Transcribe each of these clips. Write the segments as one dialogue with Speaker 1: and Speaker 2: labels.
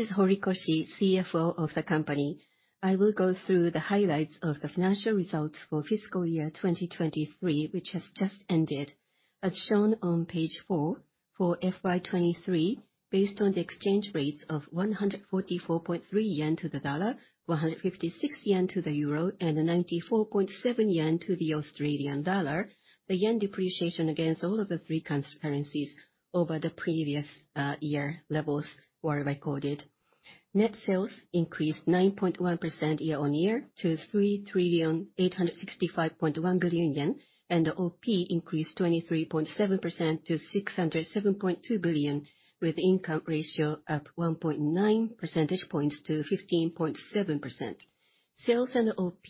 Speaker 1: This is Horikoshi, CFO of the company. I will go through the highlights of the financial results for fiscal year 2023, which has just ended, as shown on page four. For FY2023, based on the exchange rates of 144.3 yen to the dollar, 156 yen to the euro, and 94.7 yen to the Australian dollar, the yen depreciation against all of the three currencies over the previous year levels were recorded. Net sales increased 9.1% year-on-year to 3,865.1 billion yen, and the OP increased 23.7% to 607.2 billion, with the income ratio up 1.9 percentage points to 15.7%. Sales and OP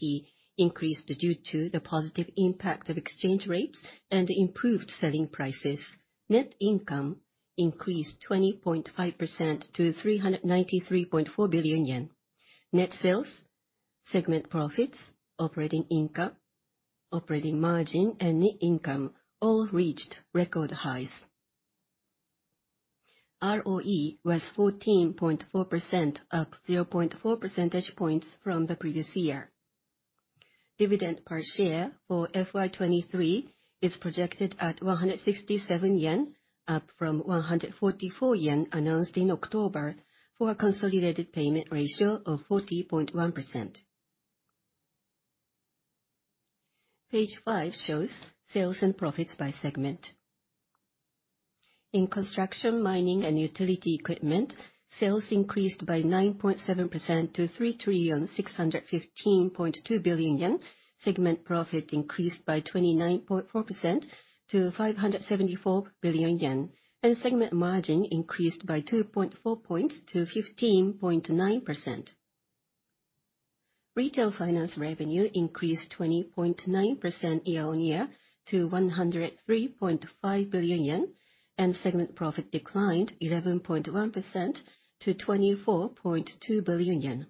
Speaker 1: increased due to the positive impact of exchange rates and improved selling prices. Net income increased 20.5% to 393.4 billion yen. Net sales, segment profits, operating income, operating margin, and net income all reached record highs. ROE was 14.4%, up 0.4 percentage points from the previous year. Dividend per share for FY2023 is projected at 167 yen, up from 144 yen announced in October for a consolidated payout ratio of 40.1%. Page five shows sales and profits by segment. In construction, mining, and utility equipment, sales increased by 9.7% to 3,615.2 billion yen. Segment profit increased by 29.4% to 574 billion yen, and segment margin increased by 2.4 points to 15.9%. Retail finance revenue increased 20.9% year-over-year to 103.5 billion yen, and segment profit declined 11.1% to 24.2 billion yen.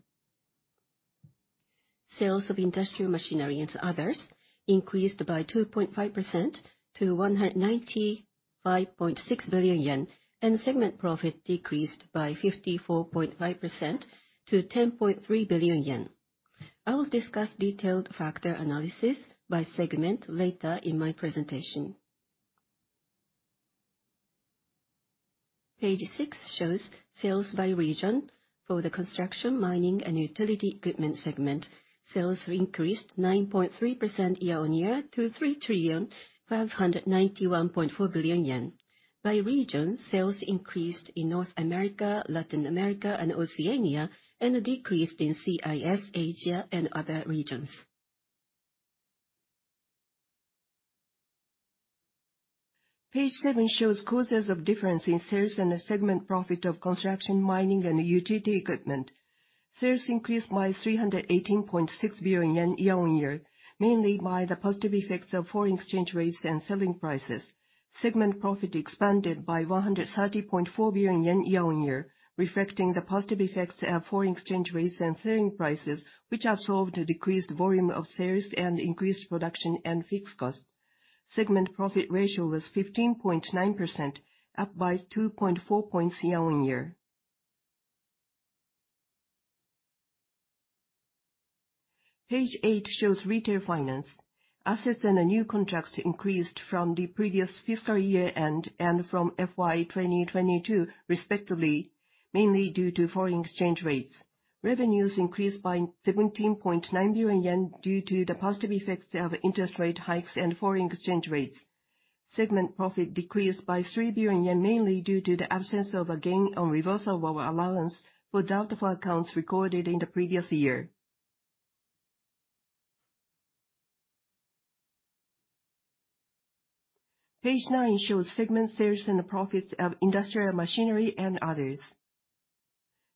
Speaker 1: Sales of industrial machinery and others increased by 2.5% to 195.6 billion yen, and segment profit decreased by 54.5% to 10.3 billion yen. I will discuss detailed factor analysis by segment later in my presentation. Page six shows sales by region for the construction, mining, and utility equipment segment. Sales increased 9.3% year-over-year to 3,591.4 billion yen. By region, sales increased in North America, Latin America, and Oceania, and decreased in CIS, Asia, and other regions. Page seven shows causes of difference in sales and segment profit of Construction, Mining, and Utility Equipment. Sales increased by 318.6 billion yen year-on-year, mainly by the positive effects of foreign exchange rates and selling prices. Segment profit expanded by 130.4 billion yen year-on-year, reflecting the positive effects of foreign exchange rates and selling prices, which absorbed decreased volume of sales and increased production and fixed costs. Segment profit ratio was 15.9%, up by 2.4 points year-on-year. Page eight shows Retail Finance. Assets and new contracts increased from the previous fiscal year end and from FY2022, respectively, mainly due to foreign exchange rates. Revenues increased by 17.9 billion yen due to the positive effects of interest rate hikes and foreign exchange rates. Segment profit decreased by 3 billion yen, mainly due to the absence of a gain on reversal of allowance for doubtful accounts recorded in the previous year. Page nine shows segment sales and profits of Industrial Machinery & Others.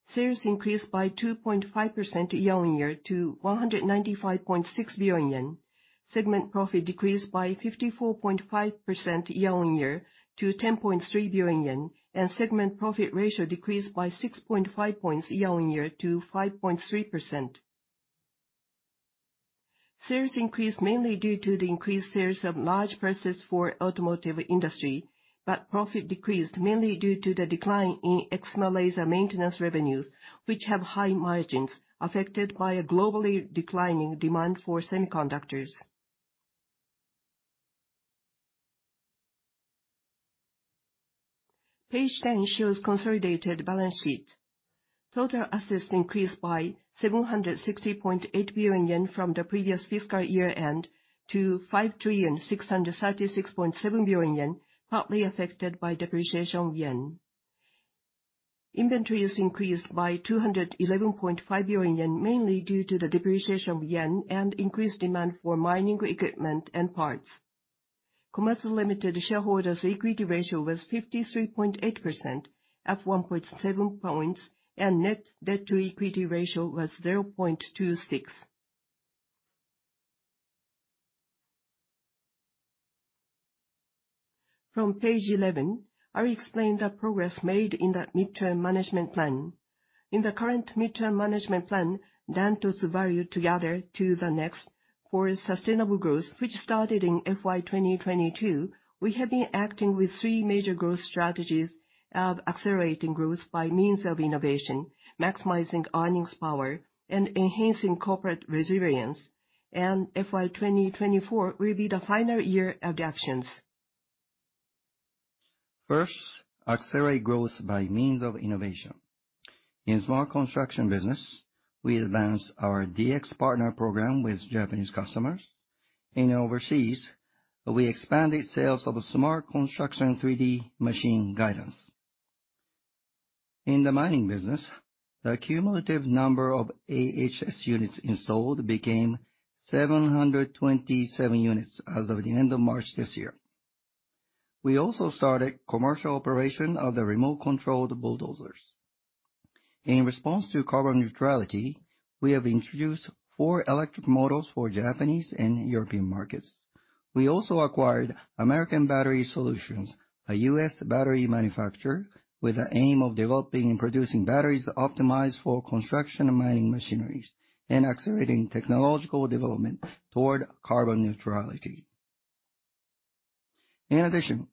Speaker 1: Sales increased by 2.5% year-on-year to 195.6 billion yen. Segment profit decreased by 54.5% year-on-year to 10.3 billion yen, and segment profit ratio decreased by 6.5 points year-on-year to 5.3%. Sales increased mainly due to the increased sales of large presses for automotive industry, but profit decreased mainly due to the decline in excimer laser maintenance revenues, which have high margins, affected by a globally declining demand for semiconductors. Page 10 shows consolidated balance sheet. Total assets increased by 760.8 billion yen from the previous fiscal year end to 5,636.7 billion yen, partly affected by depreciation of yen. Inventories increased by 211.5 billion yen, mainly due to the depreciation of yen and increased demand for mining equipment and parts. Komatsu Limited shareholders' equity ratio was 53.8%, up 1.7 points, and net debt-to-equity ratio was 0.26. From page 11, I explained the progress made in the mid-term management plan. In the current mid-term management plan, DANTOTSU Value: Together to the Next for Sustainable Growth, which started in FY2022, we have been acting with three major growth strategies of accelerating growth by means of innovation, maximizing earnings power, and enhancing corporate resilience and FY2024 will be the final year of the actions. First, accelerate growth by means of innovation. In Smart Construction business, we advance our DX partner program with Japanese customers. Overseas, we expanded sales of Smart Construction 3D Machine Guidance. In the mining business, the cumulative number of AHS units installed became 727 units as of the end of March this year. We also started commercial operation of the remote-controlled bulldozers. In response to carbon neutrality, we have introduced four electric models for Japanese and European markets. We also acquired American Battery Solutions, a U.S. battery manufacturer, with the aim of developing and producing batteries optimized for construction and mining machineries and accelerating technological development toward carbon neutrality. In addition,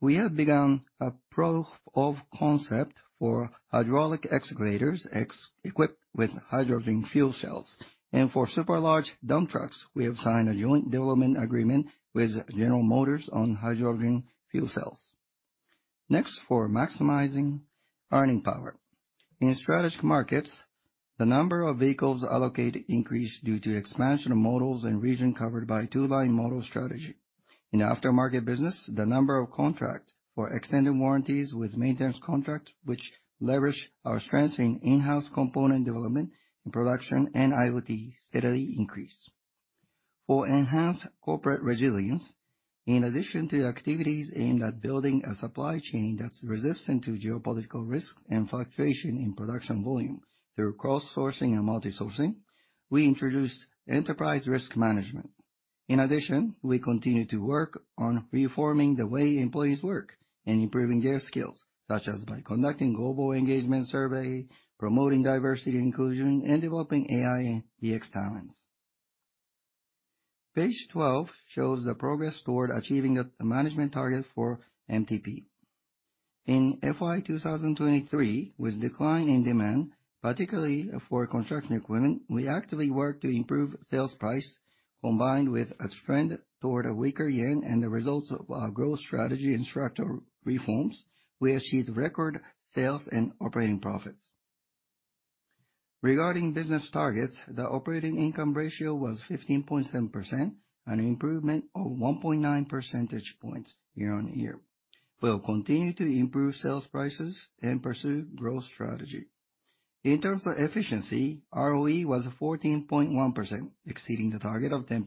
Speaker 1: we have begun a proof of concept for hydraulic excavators equipped with hydrogen fuel cells, and for super large dump trucks, we have signed a joint development agreement with General Motors on hydrogen fuel cells. Next, for maximizing earning power. In strategic markets, the number of vehicles allocated increased due to expansion of models and region covered by two-line model strategy. In aftermarket business, the number of contracts for extended warranties with maintenance contracts, which leverage our strengths in in-house component development and production and IoT, steadily increased. For enhanced corporate resilience, in addition to activities aimed at building a supply chain that's resistant to geopolitical risks and fluctuation in production volume through cross-sourcing and multi-sourcing, we introduced Enterprise Risk Management. In addition, we continue to work on reforming the way employees work and improving their skills, such as by conducting global engagement surveys, promoting diversity and inclusion, and developing AI and DX talents. Page 12 shows the progress toward achieving the management target for MTP. In FY2023, with decline in demand, particularly for construction equipment, we actively worked to improve sales price. Combined with a trend toward a weaker yen and the results of our growth strategy and structural reforms, we achieved record sales and operating profits. Regarding business targets, the operating income ratio was 15.7%, an improvement of 1.9 percentage points year-on-year. We'll continue to improve sales prices and pursue growth strategy. In terms of efficiency, ROE was 14.1%, exceeding the target of 10%.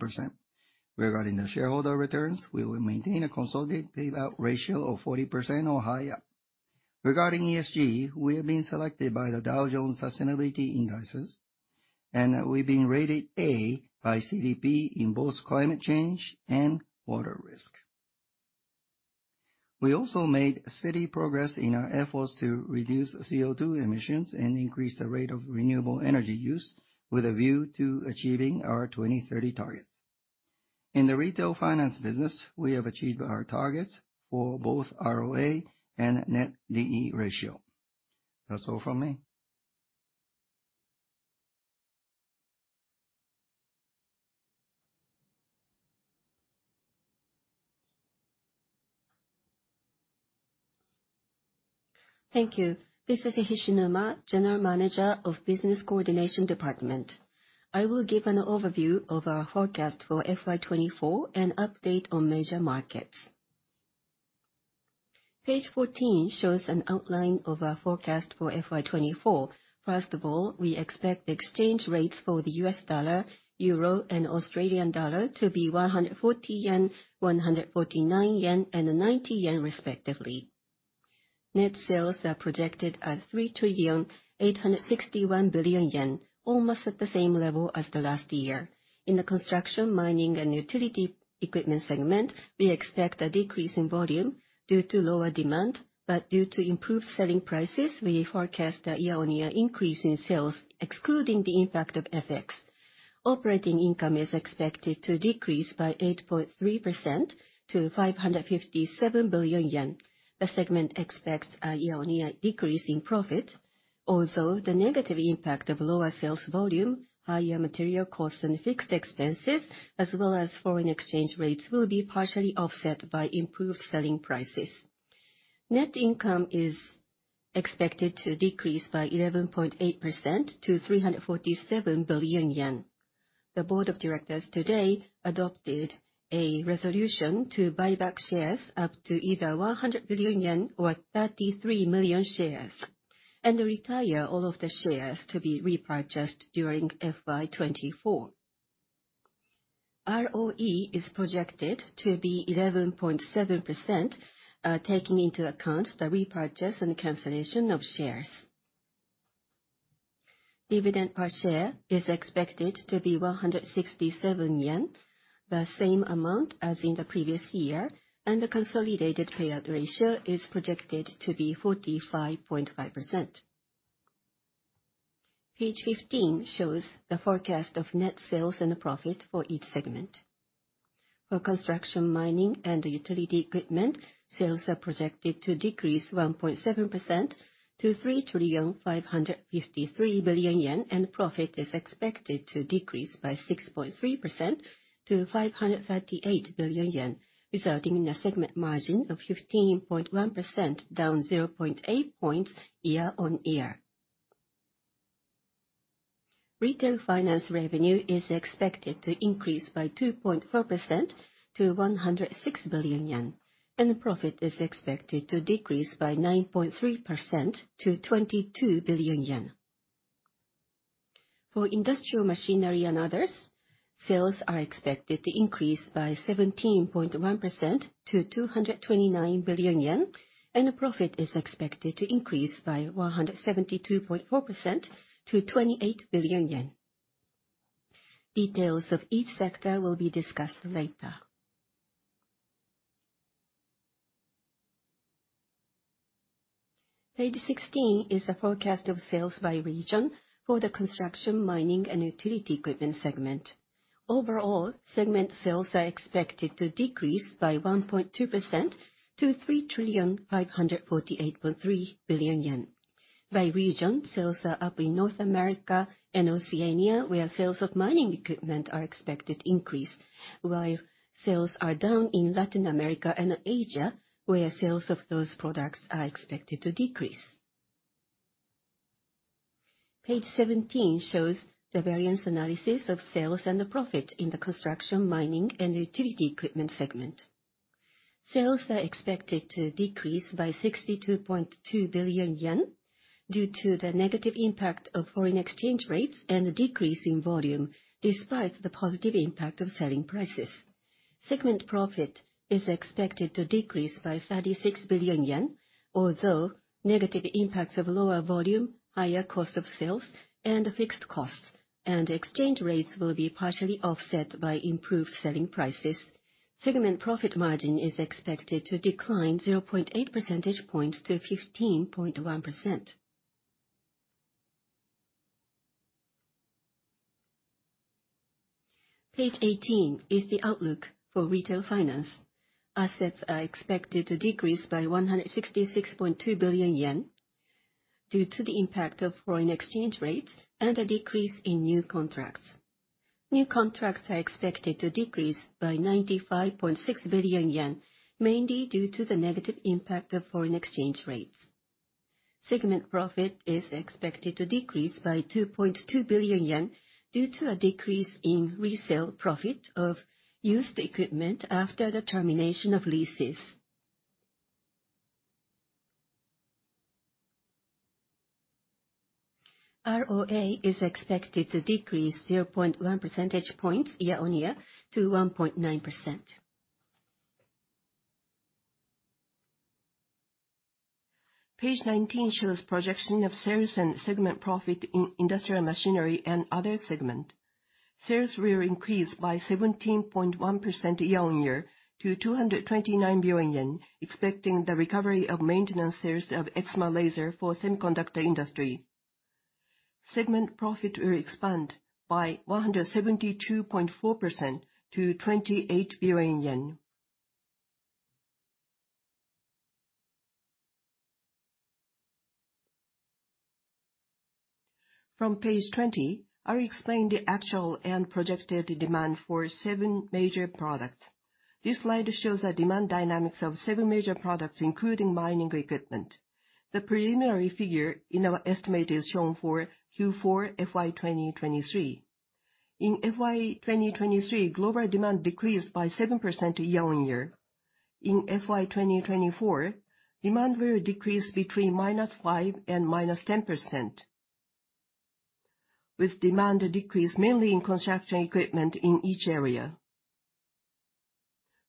Speaker 1: Regarding the shareholder returns, we will maintain a consolidated payout ratio of 40% or higher. Regarding ESG, we have been selected by the Dow Jones Sustainability Indices, and we've been rated A by CDP in both climate change and water risk. We also made steady progress in our efforts to reduce CO2 emissions and increase the rate of renewable energy use with a view to achieving our 2030 targets. In the retail finance business, we have achieved our targets for both ROA and net DE ratio. That's all from me.
Speaker 2: Thank you. This is Hishinuma, General Manager of Business Coordination Department. I will give an overview of our forecast for FY2024 and update on major markets. Page 14 shows an outline of our forecast for FY2024. First of all, we expect exchange rates for the U.S. dollar, euro, and Australian dollar to be 140 yen, 149 yen, and 90 yen, respectively. Net sales are projected at 3,861 billion yen, almost at the same level as the last year. In the construction, mining, and utility equipment segment, we expect a decrease in volume due to lower demand, but due to improved selling prices, we forecast a year-on-year increase in sales, excluding the impact of FX. Operating income is expected to decrease by 8.3% to 557 billion yen. The segment expects a year-on-year decrease in profit, although the negative impact of lower sales volume, higher material costs, and fixed expenses, as well as foreign exchange rates, will be partially offset by improved selling prices. Net income is expected to decrease by 11.8% to 347 billion yen. The board of directors today adopted a resolution to buy back shares up to either 100 billion yen or 33 million shares, and retire all of the shares to be repurchased during FY2024. ROE is projected to be 11.7%, taking into account the repurchase and cancellation of shares. Dividend per share is expected to be 167 yen, the same amount as in the previous year, and the consolidated payout ratio is projected to be 45.5%. Page 15 shows the forecast of net sales and profit for each segment. For construction, mining, and utility equipment, sales are projected to decrease 1.7% to 3,553 billion yen, and profit is expected to decrease by 6.3% to 538 billion yen, resulting in a segment margin of 15.1%, down 0.8 points year-on-year. Retail finance revenue is expected to increase by 2.4% to 106 billion yen, and profit is expected to decrease by 9.3% to 22 billion yen. For industrial machinery and others, sales are expected to increase by 17.1% to 229 billion yen, and profit is expected to increase by 172.4% to 28 billion yen. Details of each sector will be discussed later. Page 16 is a forecast of sales by region for the construction, mining, and utility equipment segment. Overall, segment sales are expected to decrease by 1.2% to 3,548.3 billion yen. By region, sales are up in North America and Oceania, where sales of mining equipment are expected to increase, while sales are down in Latin America and Asia, where sales of those products are expected to decrease. Page 17 shows the variance analysis of sales and profit in the construction, mining, and utility equipment segment. Sales are expected to decrease by 62.2 billion yen due to the negative impact of foreign exchange rates and decrease in volume, despite the positive impact of selling prices. Segment profit is expected to decrease by 36 billion yen, although negative impacts of lower volume, higher cost of sales, and fixed costs, and exchange rates will be partially offset by improved selling prices. Segment profit margin is expected to decline 0.8 percentage points to 15.1%. Page 18 is the outlook for retail finance. Assets are expected to decrease by 166.2 billion yen due to the impact of foreign exchange rates and a decrease in new contracts. New contracts are expected to decrease by 95.6 billion yen, mainly due to the negative impact of foreign exchange rates. Segment profit is expected to decrease by 2.2 billion yen due to a decrease in resale profit of used equipment after the termination of leases. ROA is expected to decrease 0.1 percentage points year-on-year to 1.9%. Page 19 shows projection of sales and segment profit in industrial machinery and other segment. Sales will increase by 17.1% year-on-year to 229 billion yen, expecting the recovery of maintenance sales of excimer laser for semiconductor industry. Segment profit will expand by 172.4% to JPY 28 billion. From page 20, I explained the actual and projected demand for seven major products. This slide shows the demand dynamics of seven major products, including mining equipment. The preliminary figure in our estimate is shown for Q4 FY2023. In FY2023, global demand decreased by 7% year-on-year. In FY2024, demand will decrease -5% to -10%, with demand decrease mainly in construction equipment in each area.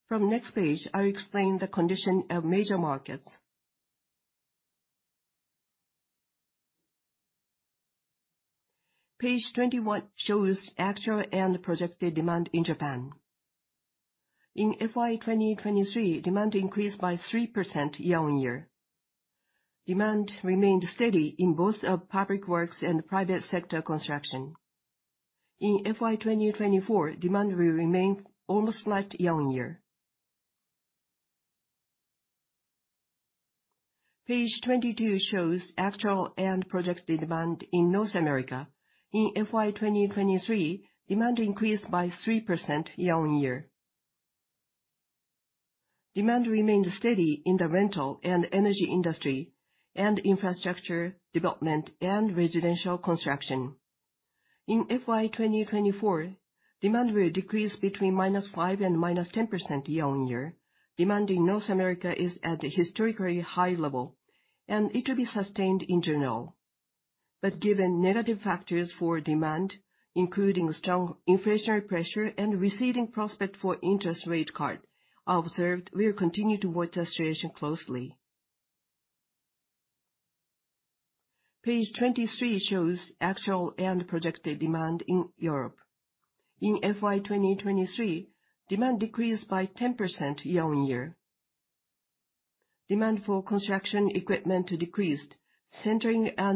Speaker 2: From next page, I explained the condition of major markets. Page 21 shows actual and projected demand in Japan. In FY2023, demand increased by 3% year-on-year. Demand remained steady in both public works and private sector construction. In FY2024, demand will remain almost flat year-on-year. Page 22 shows actual and projected demand in North America. In FY2023, demand increased by 3% year-on-year. Demand remained steady in the rental and energy industry, and infrastructure development and residential construction. In FY2024, demand will decrease between -5% and -10% year-on-year. Demand in North America is at a historically high level, and it will be sustained in general. But given negative factors for demand, including strong inflationary pressure and receding prospect for interest rate cuts, I observed we'll continue to watch the situation closely. Page 23 shows actual and projected demand in Europe. In FY2023, demand decreased by 10% year-on-year. Demand for construction equipment decreased, centering the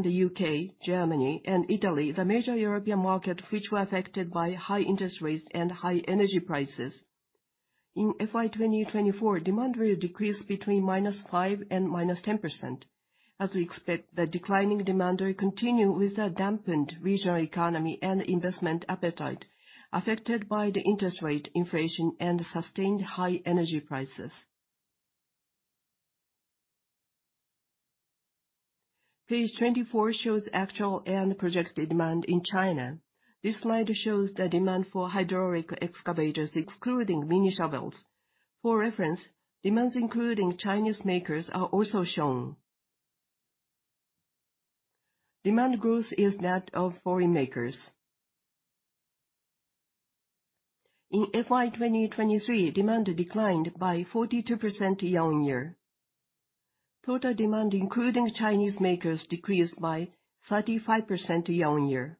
Speaker 2: UK, Germany, and Italy, the major European markets which were affected by high interest rates and high energy prices. In FY2024, demand will decrease between -5% and -10%. As we expect, the declining demand will continue with a dampened regional economy and investment appetite affected by the interest rate, inflation, and sustained high energy prices. Page 24 shows actual and projected demand in China. This slide shows the demand for hydraulic excavators, excluding mini excavators. For reference, demands including Chinese makers are also shown. Demand growth is net of foreign makers. In FY2023, demand declined by 42% year-on-year. Total demand, including Chinese makers, decreased by 35% year-on-year.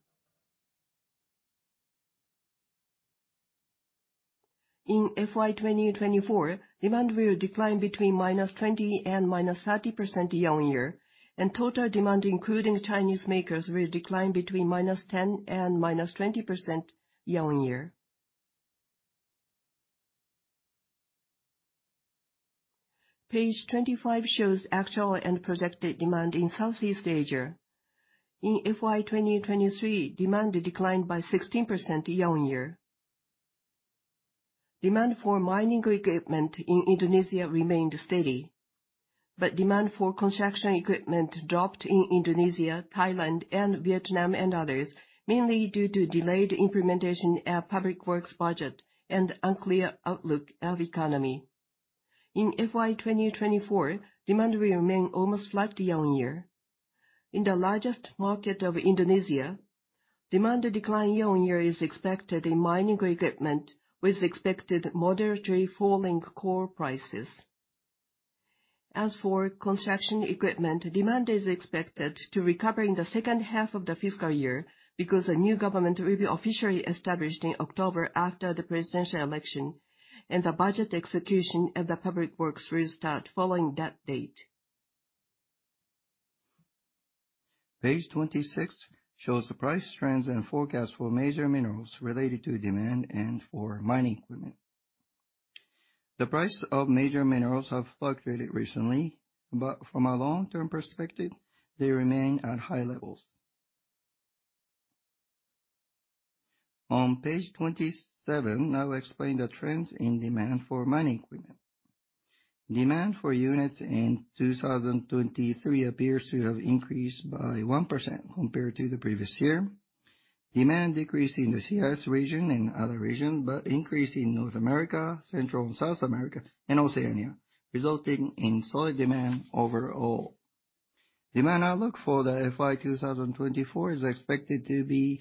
Speaker 2: In FY2024, demand will decline between -20% and -30% year-on-year, and total demand, including Chinese makers, will decline between -10% and -20% year-on-year. Page 25 shows actual and projected demand in Southeast Asia. In FY2023, demand declined by 16% year-on-year. Demand for mining equipment in Indonesia remained steady, but demand for construction equipment dropped in Indonesia, Thailand, and Vietnam and others, mainly due to delayed implementation of public works budget and unclear outlook of economy. In FY2024, demand will remain almost flat year-on-year. In the largest market of Indonesia, demand decline year-on-year is expected in mining equipment, with expected moderately falling core prices. As for construction equipment, demand is expected to recover in the second half of the fiscal year because a new government will be officially established in October after the presidential election, and the budget execution of the public works will start following that date. Page 26 shows the price trends and forecasts for major minerals related to demand and for mining equipment. The price of major minerals has fluctuated recently, but from a long-term perspective, they remain at high levels. On page 27, I will explain the trends in demand for mining equipment. Demand for units in 2023 appears to have increased by 1% compared to the previous year. Demand decreased in the CIS region and other regions, but increased in North America, Central and South America, and Oceania, resulting in solid demand overall. Demand outlook for the FY2024 is expected to be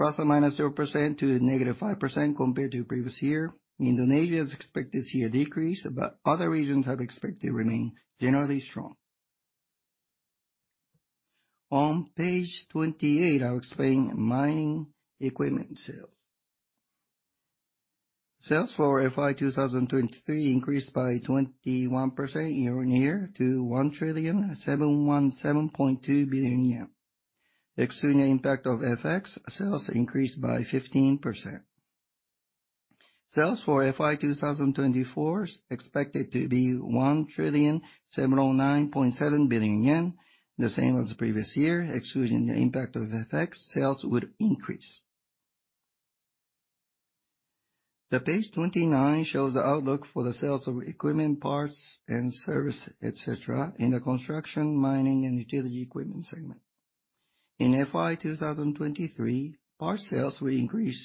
Speaker 2: ±0% to -5% compared to previous year. Indonesia is expected to see a decrease, but other regions are expected to remain generally strong. On page 28, I will explain mining equipment sales. Sales for FY2023 increased by 21% year-on-year to 1,717.2 billion yen. Exclusion impact of FX sales increased by 15%. Sales for FY2024 is expected to be 1,709.7 billion yen, the same as the previous year. Exclusion impact of FX sales would increase. Page 29 shows the outlook for the sales of equipment, parts, and service, et cetera, in the construction, mining, and utility equipment segment. In FY2023, parts sales will increase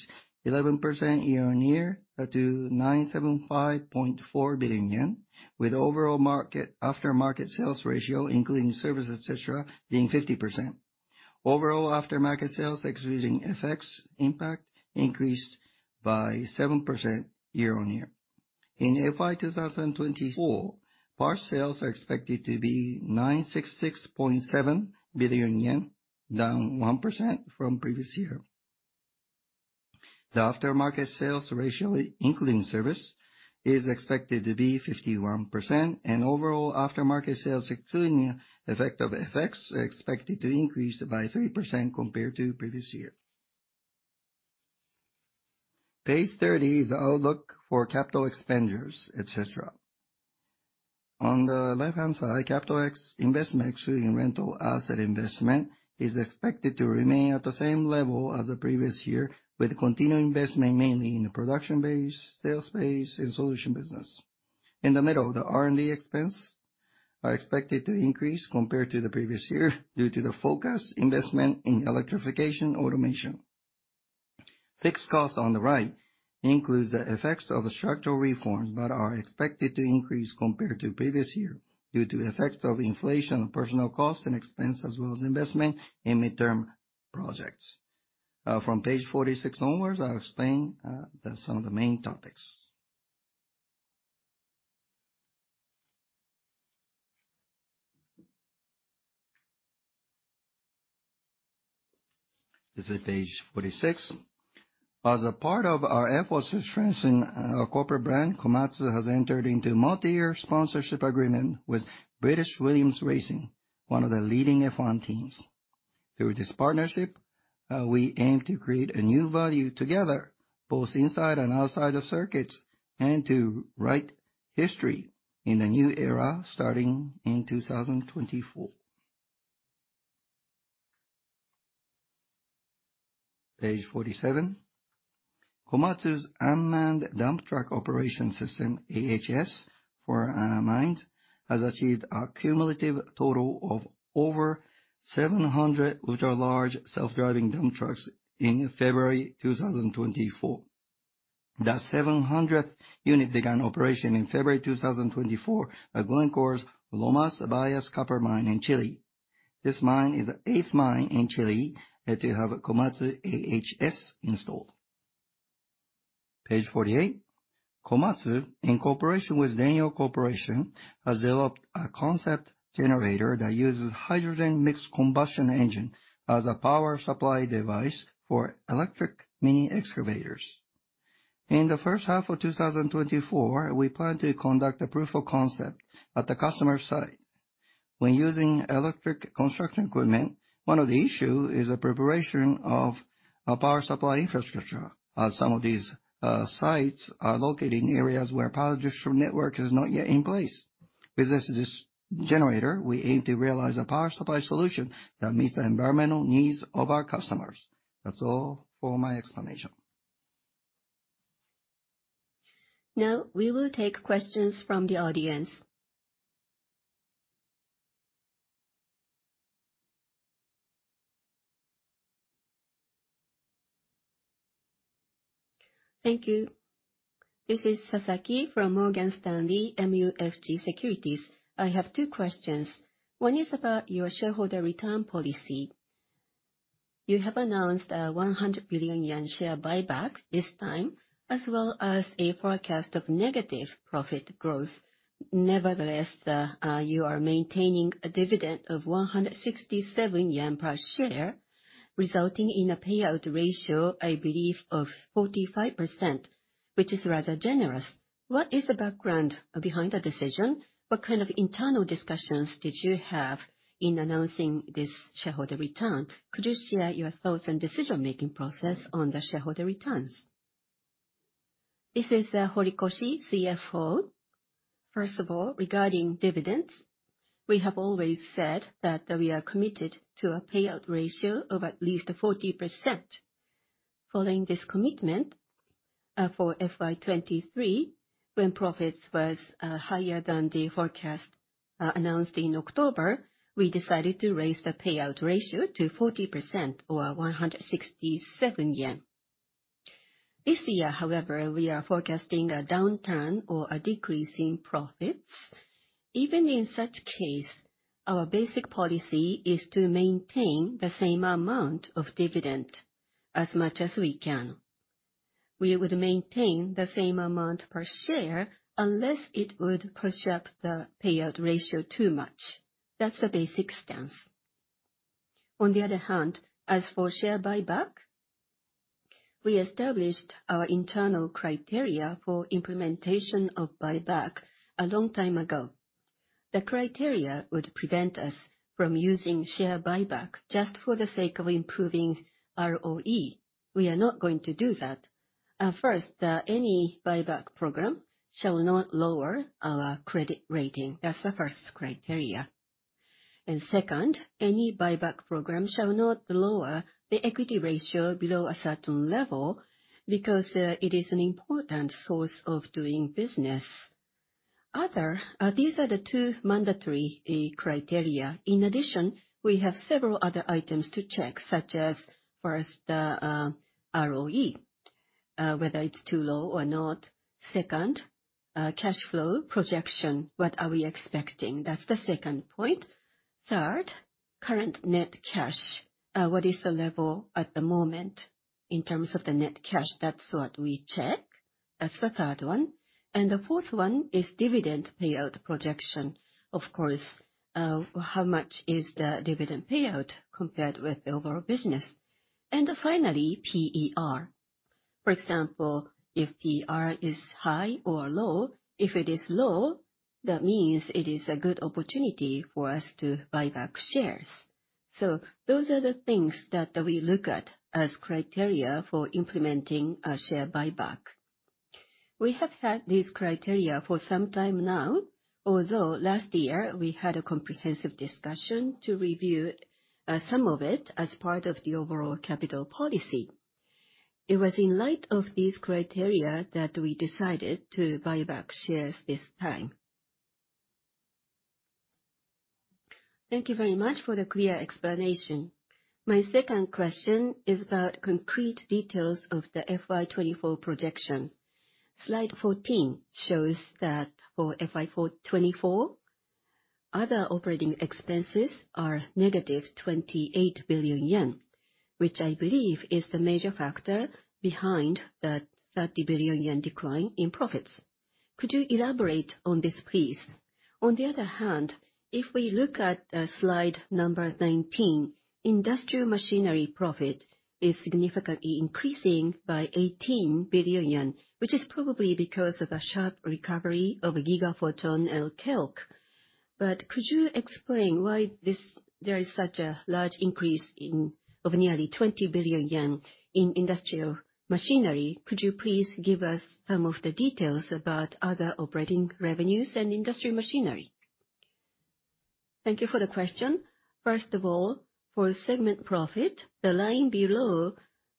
Speaker 2: 11% year-on-year to 975.4 billion yen, with overall aftermarket sales ratio, including service, etc., being 50%. Overall aftermarket sales, excluding FX impact, increased by 7% year-on-year. In FY2024, parts sales are expected to be 966.7 billion yen, down 1% from previous year. The aftermarket sales ratio, including service, is expected to be 51%, and overall aftermarket sales, excluding the effect of FX, are expected to increase by 3% compared to previous year. Page 30 is the outlook for capital expenditures, et cetera. On the left-hand side, capital investment, excluding rental asset investment, is expected to remain at the same level as the previous year, with continued investment mainly in the production base, sales base and solution business. In the middle, the R&D expense is expected to increase compared to the previous year due to the focused investment in electrification automation. Fixed costs on the right include the effects of structural reforms, but are expected to increase compared to previous year due to effects of inflation, personnel costs and expense, as well as investment in midterm projects. From page 46 onwards, I will explain some of the main topics. This is page 46. As a part of our efforts to strengthen our corporate brand, Komatsu has entered into a multi-year sponsorship agreement with British Williams Racing, one of the leading F1 teams. Through this partnership, we aim to create a new value together, both inside and outside of circuits, and to write history in the new era starting in 2024. Page 47. Komatsu's unmanned dump truck operation system, AHS, for mines has achieved a cumulative total of over 700 ultra-large self-driving dump trucks in February 2024. The 700th unit began operation in February 2024 at Glencore's Lomas Bayas Copper Mine in Chile. This mine is the eighth mine in Chile to have Komatsu AHS installed. Page 48. Komatsu, in cooperation with Denyo Corporation, has developed a concept generator that uses a hydrogen mixed combustion engine as a power supply device for electric mini excavators. In the first half of 2024, we plan to conduct a proof of concept at the customer site. When using electric construction equipment, one of the issues is the preparation of power supply infrastructure, as some of these sites are located in areas where power distribution networks are not yet in place. With this generator, we aim to realize a power supply solution that meets the environmental needs of our customers. That's all for my explanation. Now we will take questions from the audience.
Speaker 3: Thank you. This is Sasaki from Morgan Stanley MUFG Securities. I have two questions. One is about your shareholder return policy. You have announced a 100 billion yen share buyback this time, as well as a forecast of negative profit growth. Nevertheless, you are maintaining a dividend of 167 yen per share, resulting in a payout ratio, I believe, of 45%, which is rather generous. What is the background behind the decision? What kind of internal discussions did you have in announcing this shareholder return? Could you share your thoughts and decision-making process on the shareholder returns?
Speaker 1: This is Horikoshi, CFO. First of all, regarding dividends, we have always said that we are committed to a payout ratio of at least 40%. Following this commitment for FY2023, when profits were higher than the forecast announced in October, we decided to raise the payout ratio to 40% or 167 yen. This year, however, we are forecasting a downturn or a decrease in profits. Even in such case, our basic policy is to maintain the same amount of dividend as much as we can. We would maintain the same amount per share unless it would push up the payout ratio too much. That's the basic stance. On the other hand, as for share buyback, we established our internal criteria for implementation of buyback a long time ago. The criteria would prevent us from using share buyback just for the sake of improving ROE. We are not going to do that. First, any buyback program shall not lower our credit rating. That's the first criteria. And second, any buyback program shall not lower the equity ratio below a certain level because it is an important source of doing business. Other, these are the two mandatory criteria. In addition, we have several other items to check, such as first, ROE, whether it's too low or not. Second, cash flow projection, what are we expecting? That's the second point. Third, current net cash, what is the level at the moment in terms of the net cash? That's what we check. That's the third one. And the fourth one is dividend payout projection. Of course, how much is the dividend payout compared with the overall business? And finally, PER. For example, if PER is high or low, if it is low, that means it is a good opportunity for us to buy back shares. So those are the things that we look at as criteria for implementing a share buyback. We have had these criteria for some time now, although last year we had a comprehensive discussion to review some of it as part of the overall capital policy. It was in light of these criteria that we decided to buy back shares this time.
Speaker 3: Thank you very much for the clear explanation. My second question is about concrete details of the FY2024 projection. Slide 14 shows that for FY2024, other operating expenses are -28 billion yen, which I believe is the major factor behind the 30 billion yen decline in profits. Could you elaborate on this, please? On the other hand, if we look at slide number 19, industrial machinery profit is significantly increasing by 18 billion yen, which is probably because of a sharp recovery of Gigaphoton and KELK. Could you explain why there is such a large increase of nearly 20 billion yen in industrial machinery? Could you please give us some of the details about other operating revenues and industrial machinery?
Speaker 2: Thank you for the question. First of all, for segment profit, the line below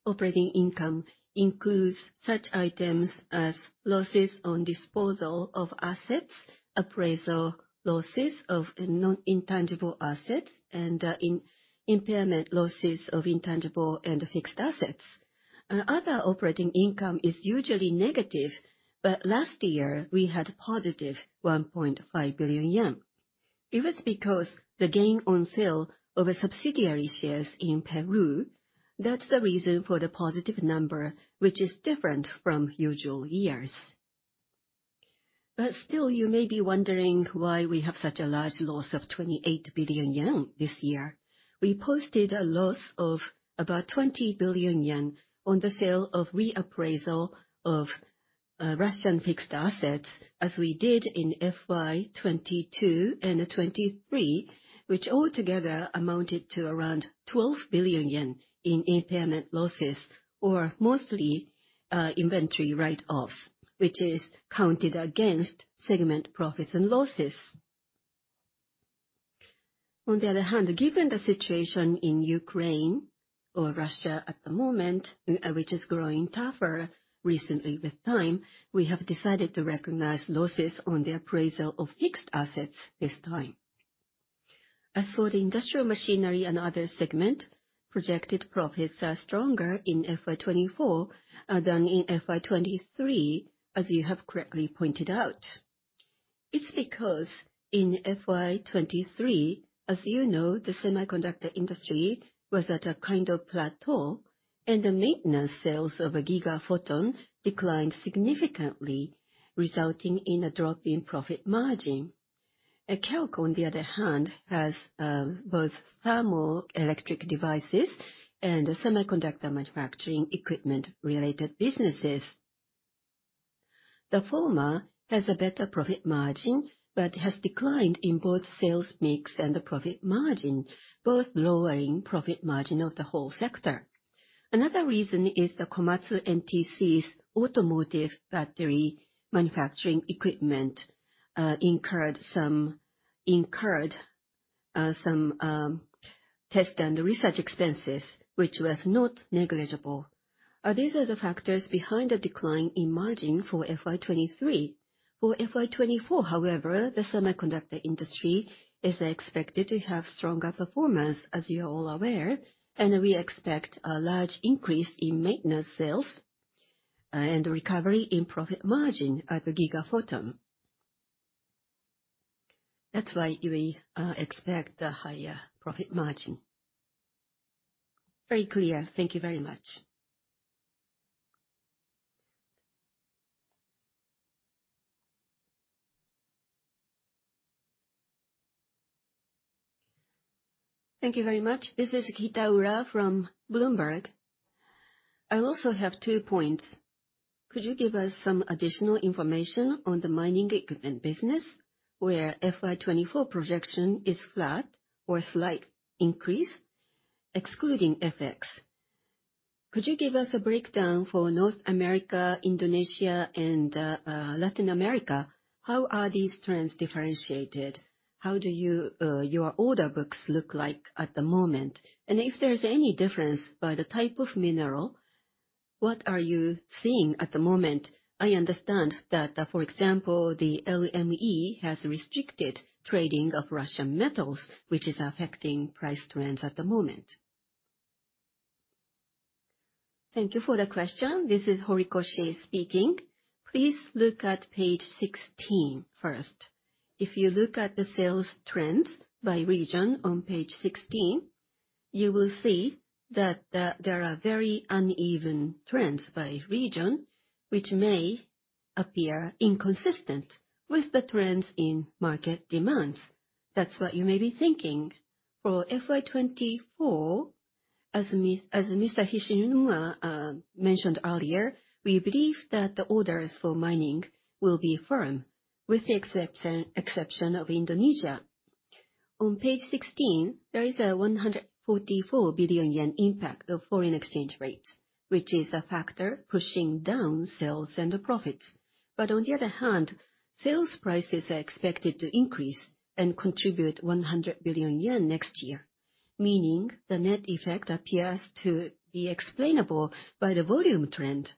Speaker 2: operating income includes such items as losses on disposal of assets, appraisal losses of nonintangible assets, and impairment losses of intangible and fixed assets. Other operating income is usually negative, but last year we had positive 1.5 billion yen. It was because of the gain on sale of subsidiary shares in Peru. That's the reason for the positive number, which is different from usual years. But still, you may be wondering why we have such a large loss of 28 billion yen this year. We posted a loss of about 20 billion yen on the sale of reappraisal of Russian fixed assets, as we did in FY2022 and 2023, which altogether amounted to around 12 billion yen in impairment losses or mostly inventory write-offs, which is counted against segment profits and losses. On the other hand, given the situation in Ukraine or Russia at the moment, which is growing tougher recently with time, we have decided to recognize losses on the appraisal of fixed assets this time. As for the Industrial Machinery and other segment, projected profits are stronger in FY2024 than in FY2023, as you have correctly pointed out. It's because in FY2023, as you know, the semiconductor industry was at a kind of plateau, and the maintenance sales of Gigaphoton declined significantly, resulting in a drop in profit margin. KELK, on the other hand, has both thermoelectric devices and semiconductor manufacturing equipment-related businesses. The former has a better profit margin but has declined in both sales mix and profit margin, both lowering profit margin of the whole sector. Another reason is that Komatsu NTC's automotive battery manufacturing equipment incurred some test and research expenses, which was not negligible. These are the factors behind the decline in margin for FY2023. For FY2024, however, the semiconductor industry is expected to have stronger performance, as you are all aware, and we expect a large increase in maintenance sales and recovery in profit margin at the Gigaphoton. That's why we expect a higher profit margin.
Speaker 3: Very clear. Thank you very much.
Speaker 4: Thank you very much. This is Kitaura from Bloomberg. I also have two points. Could you give us some additional information on the mining equipment business, where FY2024 projection is flat or a slight increase, excluding FX? Could you give us a breakdown for North America, Indonesia, and Latin America? How are these trends differentiated? How do your order books look like at the moment? And if there's any difference by the type of mineral, what are you seeing at the moment? I understand that, for example, the LME has restricted trading of Russian metals, which is affecting price trends at the moment.
Speaker 1: Thank you for the question. This is Horikoshi speaking. Please look at page 16 first. If you look at the sales trends by region on page 16, you will see that there are very uneven trends by region, which may appear inconsistent with the trends in market demands. That's what you may be thinking. For FY2024, as Mr. Hishinuma mentioned earlier, we believe that the orders for mining will be firm, with the exception of Indonesia. On page 16, there is a 144 billion yen impact of foreign exchange rates, which is a factor pushing down sales and profits. But on the other hand, sales prices are expected to increase and contribute 100 billion yen next year, meaning the net effect appears to be explainable by the volume trend.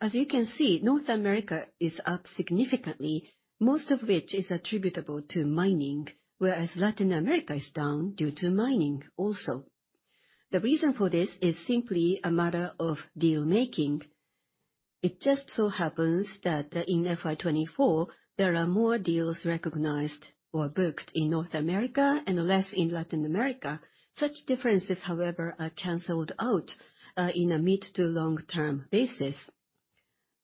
Speaker 1: As you can see, North America is up significantly, most of which is attributable to mining, whereas Latin America is down due to mining also. The reason for this is simply a matter of deal-making. It just so happens that in FY2024, there are more deals recognized or booked in North America and less in Latin America. Such differences, however, are canceled out on a mid to long-term basis.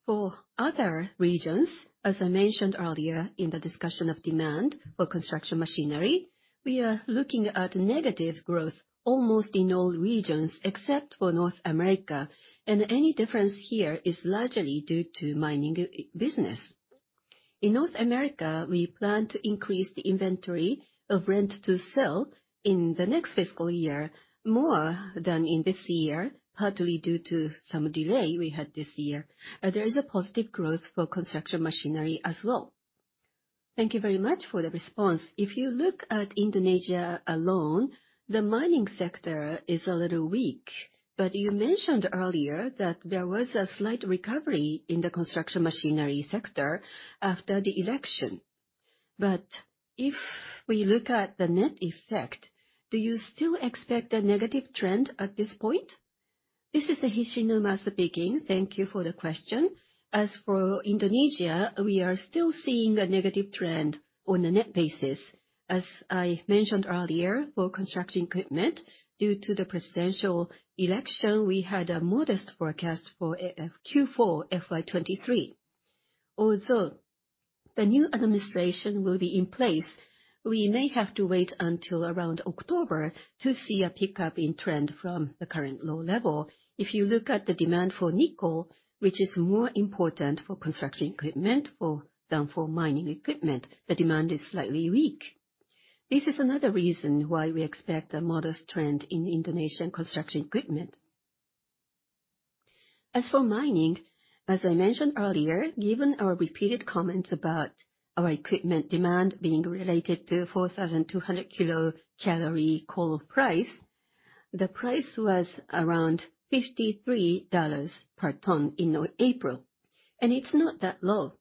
Speaker 1: For other regions, as I mentioned earlier in the discussion of demand for construction machinery, we are looking at negative growth almost in all regions except for North America, and any difference here is largely due to mining business. In North America, we plan to increase the inventory of rent to sell in the next fiscal year more than in this year, partly due to some delay we had this year. There is a positive growth for construction machinery as well.
Speaker 4: Thank you very much for the response. If you look at Indonesia alone, the mining sector is a little weak, but you mentioned earlier that there was a slight recovery in the construction machinery sector after the election. But if we look at the net effect, do you still expect a negative trend at this point?
Speaker 2: This is Hishinuma speaking. Thank you for the question. As for Indonesia, we are still seeing a negative trend on a net basis. As I mentioned earlier, for construction equipment, due to the presidential election, we had a modest forecast for Q4 FY2023. Although the new administration will be in place, we may have to wait until around October to see a pickup in trend from the current low level. If you look at the demand for nickel, which is more important for construction equipment than for mining equipment, the demand is slightly weak. This is another reason why we expect a modest trend in Indonesian construction equipment. As for mining, as I mentioned earlier, given our repeated comments about our equipment demand being related to 4,200 kilocalorie coal price, the price was around $53 per ton in April, and it's not that low.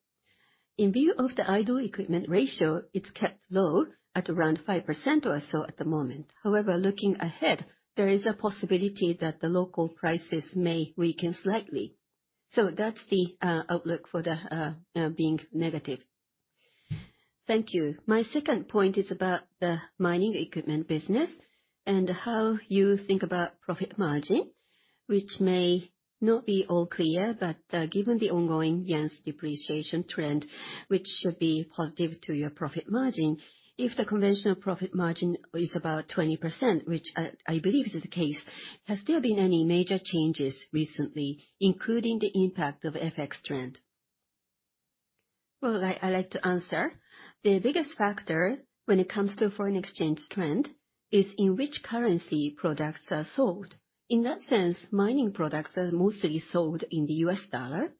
Speaker 2: In view of the idle equipment ratio, it's kept low at around 5% or so at the moment. However, looking ahead, there is a possibility that the local prices may weaken slightly. So that's the outlook for the being negative.
Speaker 4: Thank you. My second point is about the mining equipment business and how you think about profit margin, which may not be all clear, but given the ongoing yen's depreciation trend, which should be positive to your profit margin, if the conventional profit margin is about 20%, which I believe is the case, has there been any major changes recently, including the impact of FX trend?
Speaker 1: Well, I like to answer. The biggest factor when it comes to foreign exchange trend is in which currency products are sold. In that sense, mining products are mostly sold in the U.S. dollar,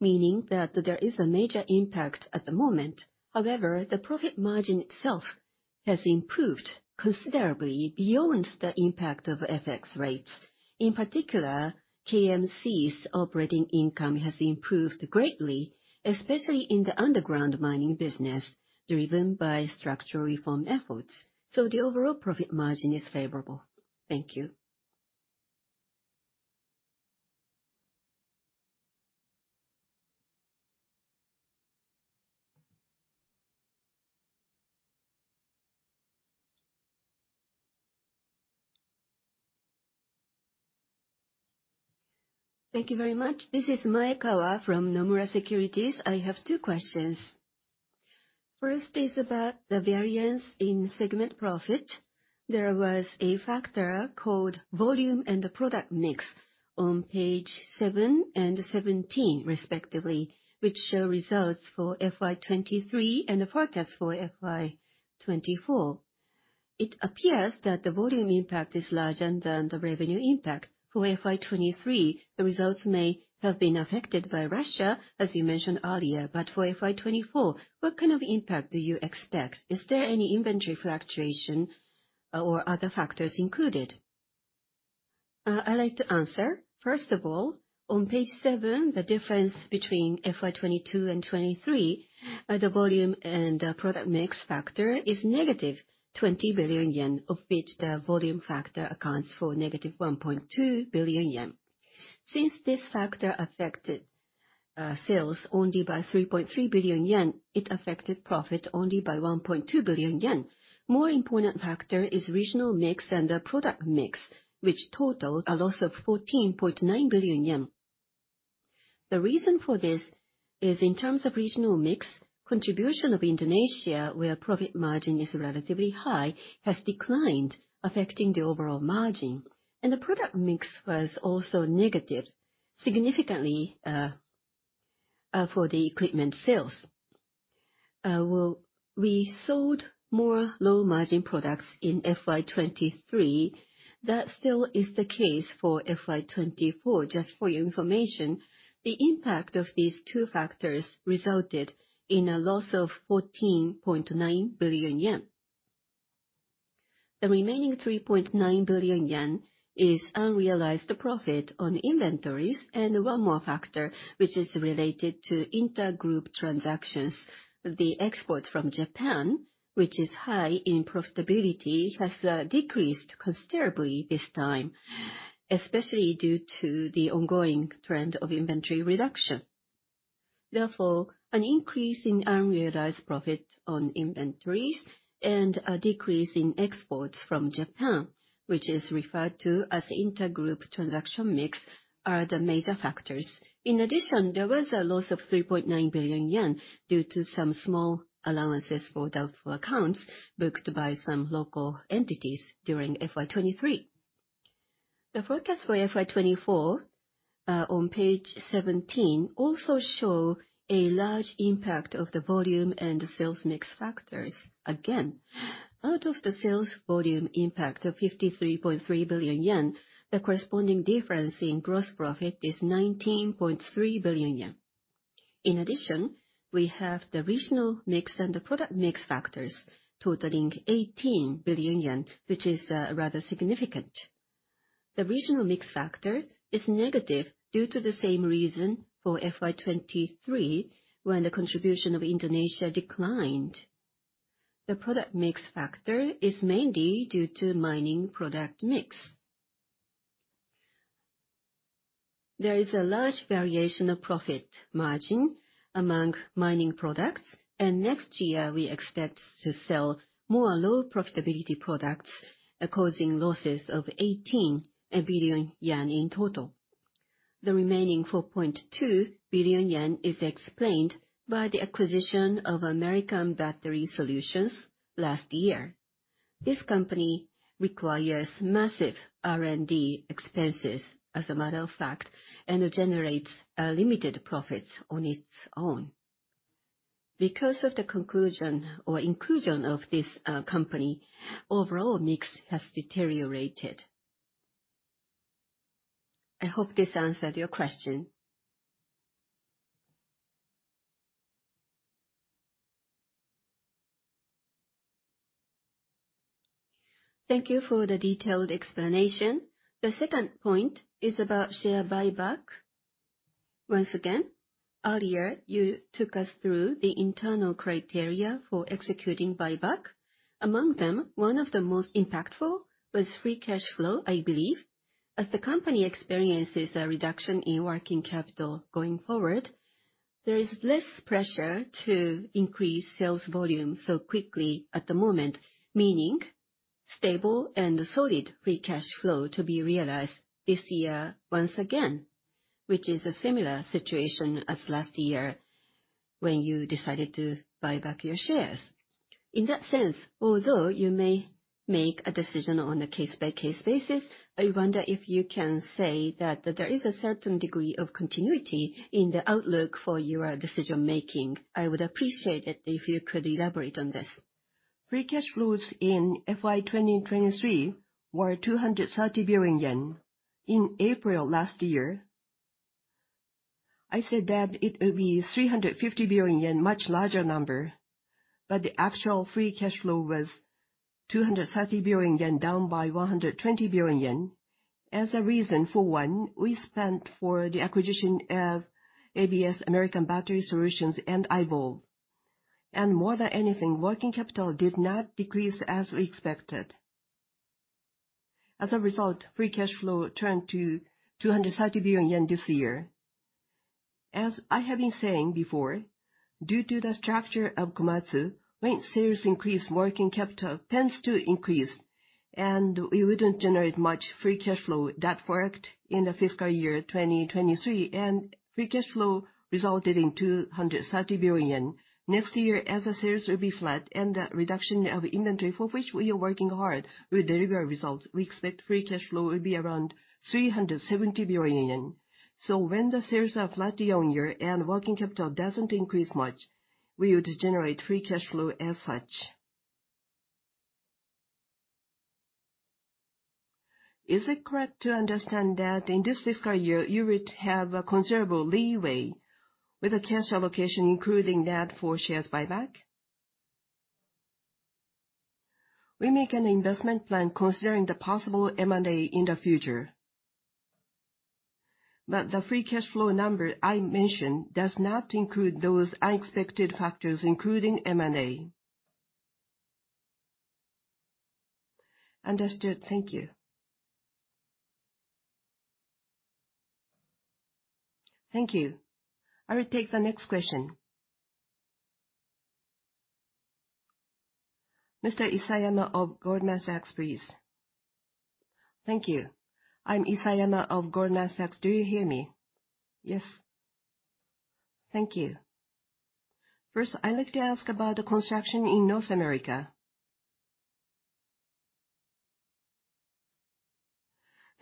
Speaker 1: meaning that there is a major impact at the moment. However, the profit margin itself has improved considerably beyond the impact of FX rates. In particular, KMC's operating income has improved greatly, especially in the underground mining business driven by structural reform efforts. So the overall profit margin is favorable. Thank you.
Speaker 5: Thank you very much. This is Maekawa from Nomura Securities. I have two questions. First is about the variance in segment profit. There was a factor called volume and product mix on page seven and 17, respectively, which show results for FY2023 and the forecast for FY2024. It appears that the volume impact is larger than the revenue impact. For FY2023, the results may have been affected by Russia, as you mentioned earlier. But for FY2024, what kind of impact do you expect? Is there any inventory fluctuation or other factors included?
Speaker 1: I like to answer. First of all, on page seven, the difference between FY2022 and 2023, the volume and product mix factor is negative 20 billion yen, of which the volume factor accounts for negative 1.2 billion yen. Since this factor affected sales only by 3.3 billion yen, it affected profit only by 1.2 billion yen. More important factor is regional mix and product mix, which totaled a loss of 14.9 billion yen. The reason for this is, in terms of regional mix, contribution of Indonesia, where profit margin is relatively high, has declined, affecting the overall margin. And the product mix was also negative, significantly for the equipment sales. We sold more low-margin products in FY2023. That still is the case for FY2024. Just for your information, the impact of these two factors resulted in a loss of 14.9 billion yen. The remaining 3.9 billion yen is unrealized profit on inventories. One more factor, which is related to intergroup transactions, the export from Japan, which is high in profitability, has decreased considerably this time, especially due to the ongoing trend of inventory reduction. Therefore, an increase in unrealized profit on inventories and a decrease in exports from Japan, which is referred to as intergroup transaction mix, are the major factors. In addition, there was a loss of 3.9 billion yen due to some small allowances for the accounts booked by some local entities during FY2023. The forecast for FY2024 on page 17 also shows a large impact of the volume and sales mix factors. Again, out of the sales volume impact of 53.3 billion yen, the corresponding difference in gross profit is 19.3 billion yen. In addition, we have the regional mix and the product mix factors totaling 18 billion yen, which is rather significant. The regional mix factor is negative due to the same reason for FY2023, when the contribution of Indonesia declined. The product mix factor is mainly due to mining product mix. There is a large variation of profit margin among mining products, and next year, we expect to sell more low-profitability products, causing losses of 18 billion yen in total. The remaining 4.2 billion yen is explained by the acquisition of American Battery Solutions last year. This company requires massive R&D expenses, as a matter of fact, and generates limited profits on its own. Because of the acquisition of this company, overall mix has deteriorated. I hope this answered your question.
Speaker 5: Thank you for the detailed explanation. The second point is about share buyback. Once again, earlier, you took us through the internal criteria for executing buyback. Among them, one of the most impactful was free cash flow, I believe. As the company experiences a reduction in working capital going forward, there is less pressure to increase sales volume so quickly at the moment, meaning stable and solid free cash flow to be realized this year once again, which is a similar situation as last year when you decided to buy back your shares. In that sense, although you may make a decision on a case-by-case basis, I wonder if you can say that there is a certain degree of continuity in the outlook for your decision-making. I would appreciate it if you could elaborate on this.
Speaker 1: Free cash flows in FY2023 were 230 billion yen. In April last year, I said that it would be 350 billion yen, a much larger number. But the actual free cash flow was 230 billion yen, down by 120 billion yen. As a reason for one, we spent for the acquisition of ABS American Battery Solutions and iVolve. And more than anything, working capital did not decrease as we expected. As a result, free cash flow turned to 230 billion yen this year. As I have been saying before, due to the structure of Komatsu, when sales increase, working capital tends to increase, and we wouldn't generate much free cash flow that worked in the fiscal year 2023, and free cash flow resulted in 230 billion. Next year, as the sales would be flat and the reduction of inventory for which we are working hard would deliver results, we expect free cash flow would be around 370 billion yen. So when the sales are flat year-on-year and working capital doesn't increase much, we would generate free cash flow as such.
Speaker 5: Is it correct to understand that in this fiscal year, you would have a considerable leeway with a cash allocation including that for shares buyback?
Speaker 1: We make an investment plan considering the possible M&A in the future. But the free cash flow number I mentioned does not include those unexpected factors, including M&A.
Speaker 5: Understood. Thank you.
Speaker 1: Thank you. I will take the next question. Mr. Isayama of Goldman Sachs, please.
Speaker 6: Thank you. I'm Isayama of Goldman Sachs. Do you hear me? Yes. Thank you. First, I'd like to ask about the construction in North America.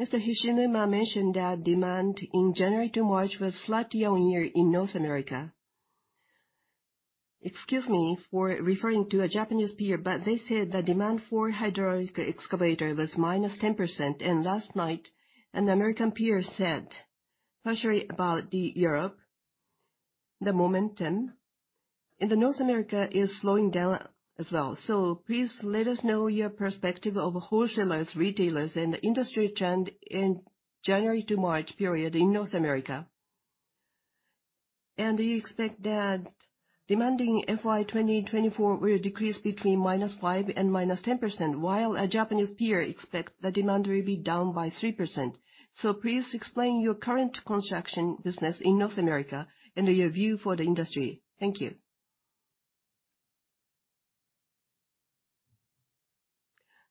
Speaker 6: Mr. Hishinuma mentioned that demand in January to March was flat year-on-year in North America. Excuse me for referring to a Japanese peer, but they said the demand for hydraulic excavator was -10%. Last night, an American peer said, "Passionate about Europe, the momentum in North America is slowing down as well." Please let us know your perspective of wholesalers, retailers, and the industry trend in the January to March period in North America. Do you expect that demand in FY2024 will decrease between -5% and -10%, while a Japanese peer expects the demand will be down by 3%? Please explain your current construction business in North America and your view for the industry. Thank you.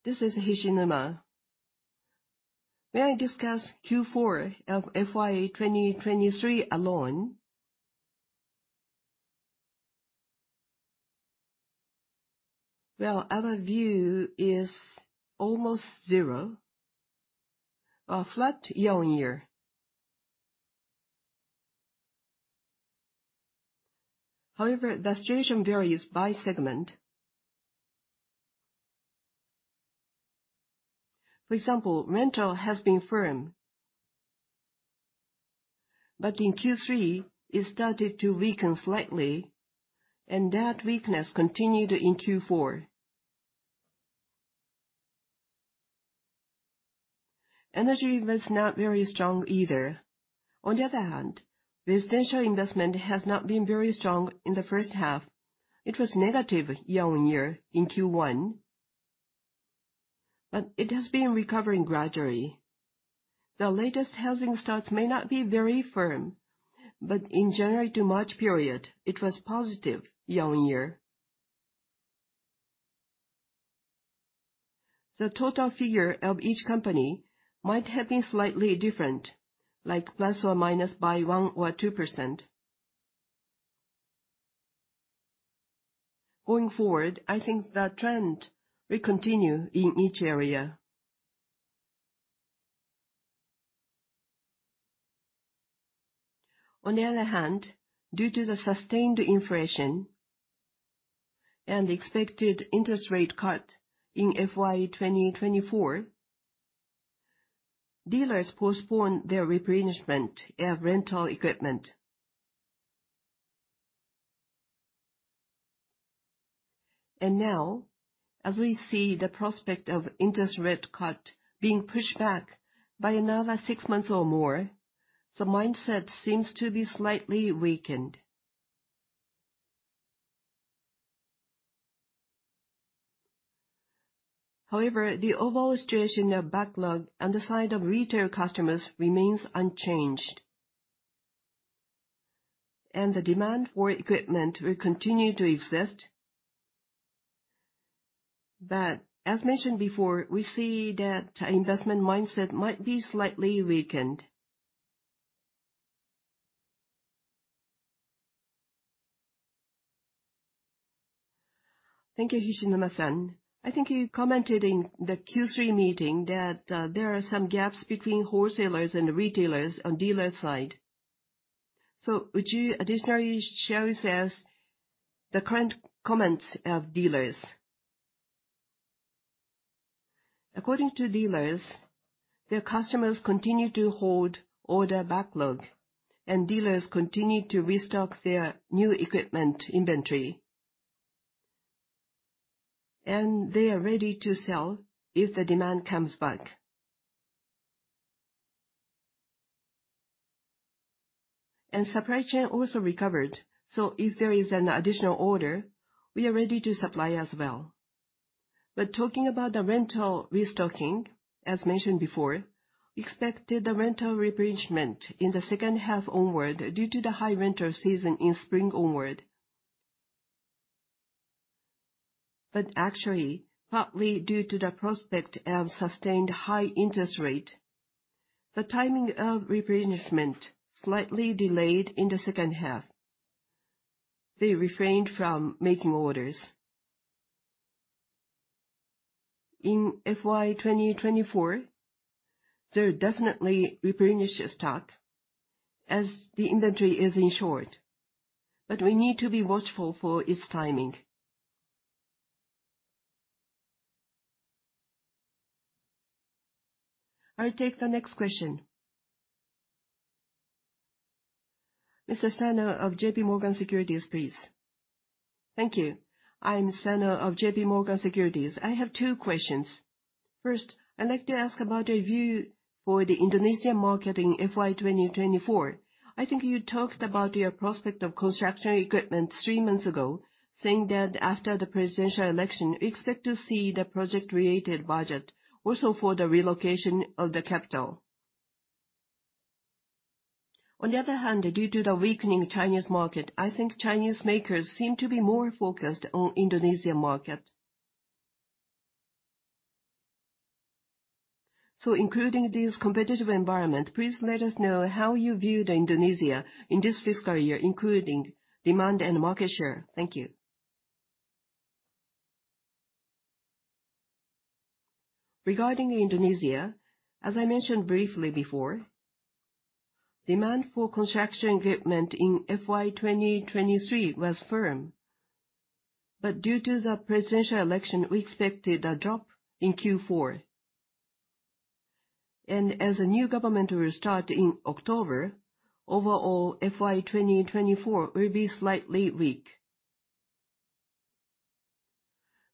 Speaker 2: This is Hishinuma. May I discuss Q4 of FY2023 alone? Well, our view is almost zero, a flat year-on-year. However, the situation varies by segment. For example, rental has been firm, but in Q3, it started to weaken slightly, and that weakness continued in Q4. Energy was not very strong either. On the other hand, residential investment has not been very strong in the first half. It was negative year-over-year in Q1, but it has been recovering gradually. The latest housing starts may not be very firm, but in January to March period, it was positive year-over-year. The total figure of each company might have been slightly different, like ±1% or 2%. Going forward, I think the trend will continue in each area. On the other hand, due to the sustained inflation and expected interest rate cut in FY2024, dealers postponed their replenishment of rental equipment. And now, as we see the prospect of interest rate cut being pushed back by another six months or more, the mindset seems to be slightly weakened. However, the overall situation of backlog on the side of retail customers remains unchanged, and the demand for equipment will continue to exist. But as mentioned before, we see that investment mindset might be slightly weakened.
Speaker 6: Thank you, Hishinuma-san. I think you commented in the Q3 meeting that there are some gaps between wholesalers and retailers on the dealer side. Would you additionally show us the current comments of dealers?
Speaker 2: According to dealers, their customers continue to hold order backlog, and dealers continue to restock their new equipment inventory. They are ready to sell if the demand comes back. Supply chain also recovered. If there is an additional order, we are ready to supply as well. But talking about the rental restocking, as mentioned before, we expected the rental replenishment in the second half onward due to the high rental season in spring onward. But actually, partly due to the prospect of sustained high interest rate, the timing of replenishment slightly delayed in the second half. They refrained from making orders. In FY2024, there are definitely replenished stock as the inventory is in short. But we need to be watchful for its timing. I will take the next question. Mr. Sano of JPMorgan Securities, please.
Speaker 7: Thank you. I'm Sano of JPMorgan Securities. I have two questions. First, I'd like to ask about your view for the Indonesian market in FY2024. I think you talked about your prospect of construction equipment three months ago, saying that after the presidential election, we expect to see the project-related budget, also for the relocation of the capital. On the other hand, due to the weakening Chinese market, I think Chinese makers seem to be more focused on the Indonesian market. So including this competitive environment, please let us know how you view Indonesia in this fiscal year, including demand and market share. Thank you.
Speaker 2: Regarding Indonesia, as I mentioned briefly before, demand for construction equipment in FY2023 was firm. Due to the presidential election, we expected a drop in Q4. As a new government will start in October, overall, FY2024 will be slightly weak.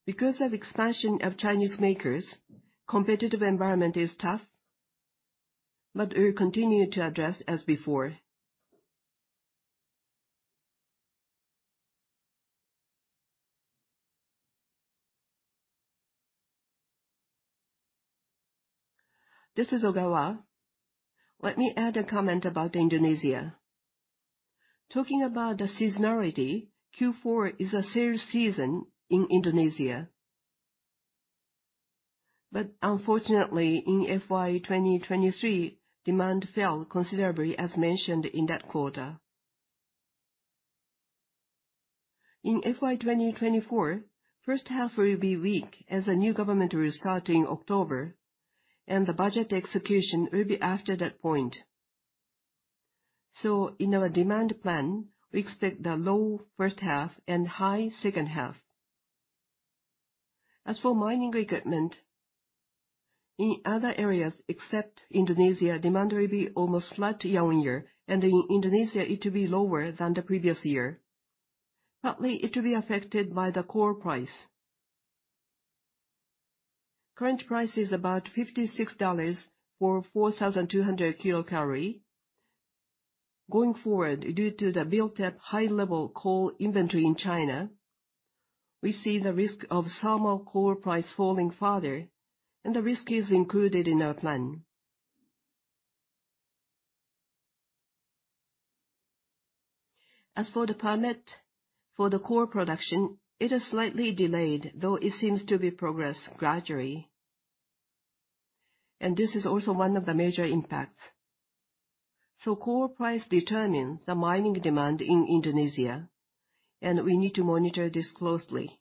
Speaker 2: Because of expansion of Chinese makers, the competitive environment is tough, but we will continue to address as before.
Speaker 8: This is Ogawa. Let me add a comment about Indonesia. Talking about the seasonality, Q4 is a sales season in Indonesia. Unfortunately, in FY2023, demand fell considerably, as mentioned in that quarter. In FY2024, the first half will be weak as a new government will start in October, and the budget execution will be after that point. In our demand plan, we expect a low first half and high second half. As for mining equipment, in other areas except Indonesia, demand will be almost flat year-on-year, and in Indonesia, it will be lower than the previous year. Partly, it will be affected by the coal price. Current price is about $56 for 4,200 kilocalories. Going forward, due to the built-up high-level coal inventory in China, we see the risk of thermal coal price falling further, and the risk is included in our plan. As for the permit for the coal production, it is slightly delayed, though it seems to be progressed gradually. And this is also one of the major impacts. So coal price determines the mining demand in Indonesia, and we need to monitor this closely.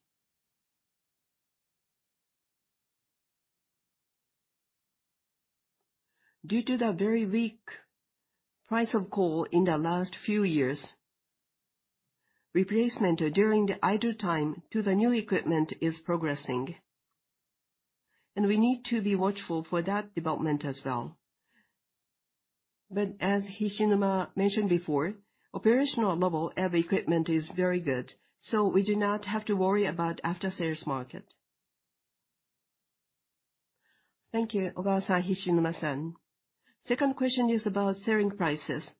Speaker 8: Due to the very weak price of coal in the last few years, replacement during the idle time to the new equipment is progressing. We need to be watchful for that development as well. But as Hishinuma mentioned before, the operational level of equipment is very good, so we do not have to worry about the after-sales market.
Speaker 7: Thank you, Ogawa, Hishinuma-san. Second question is about selling prices.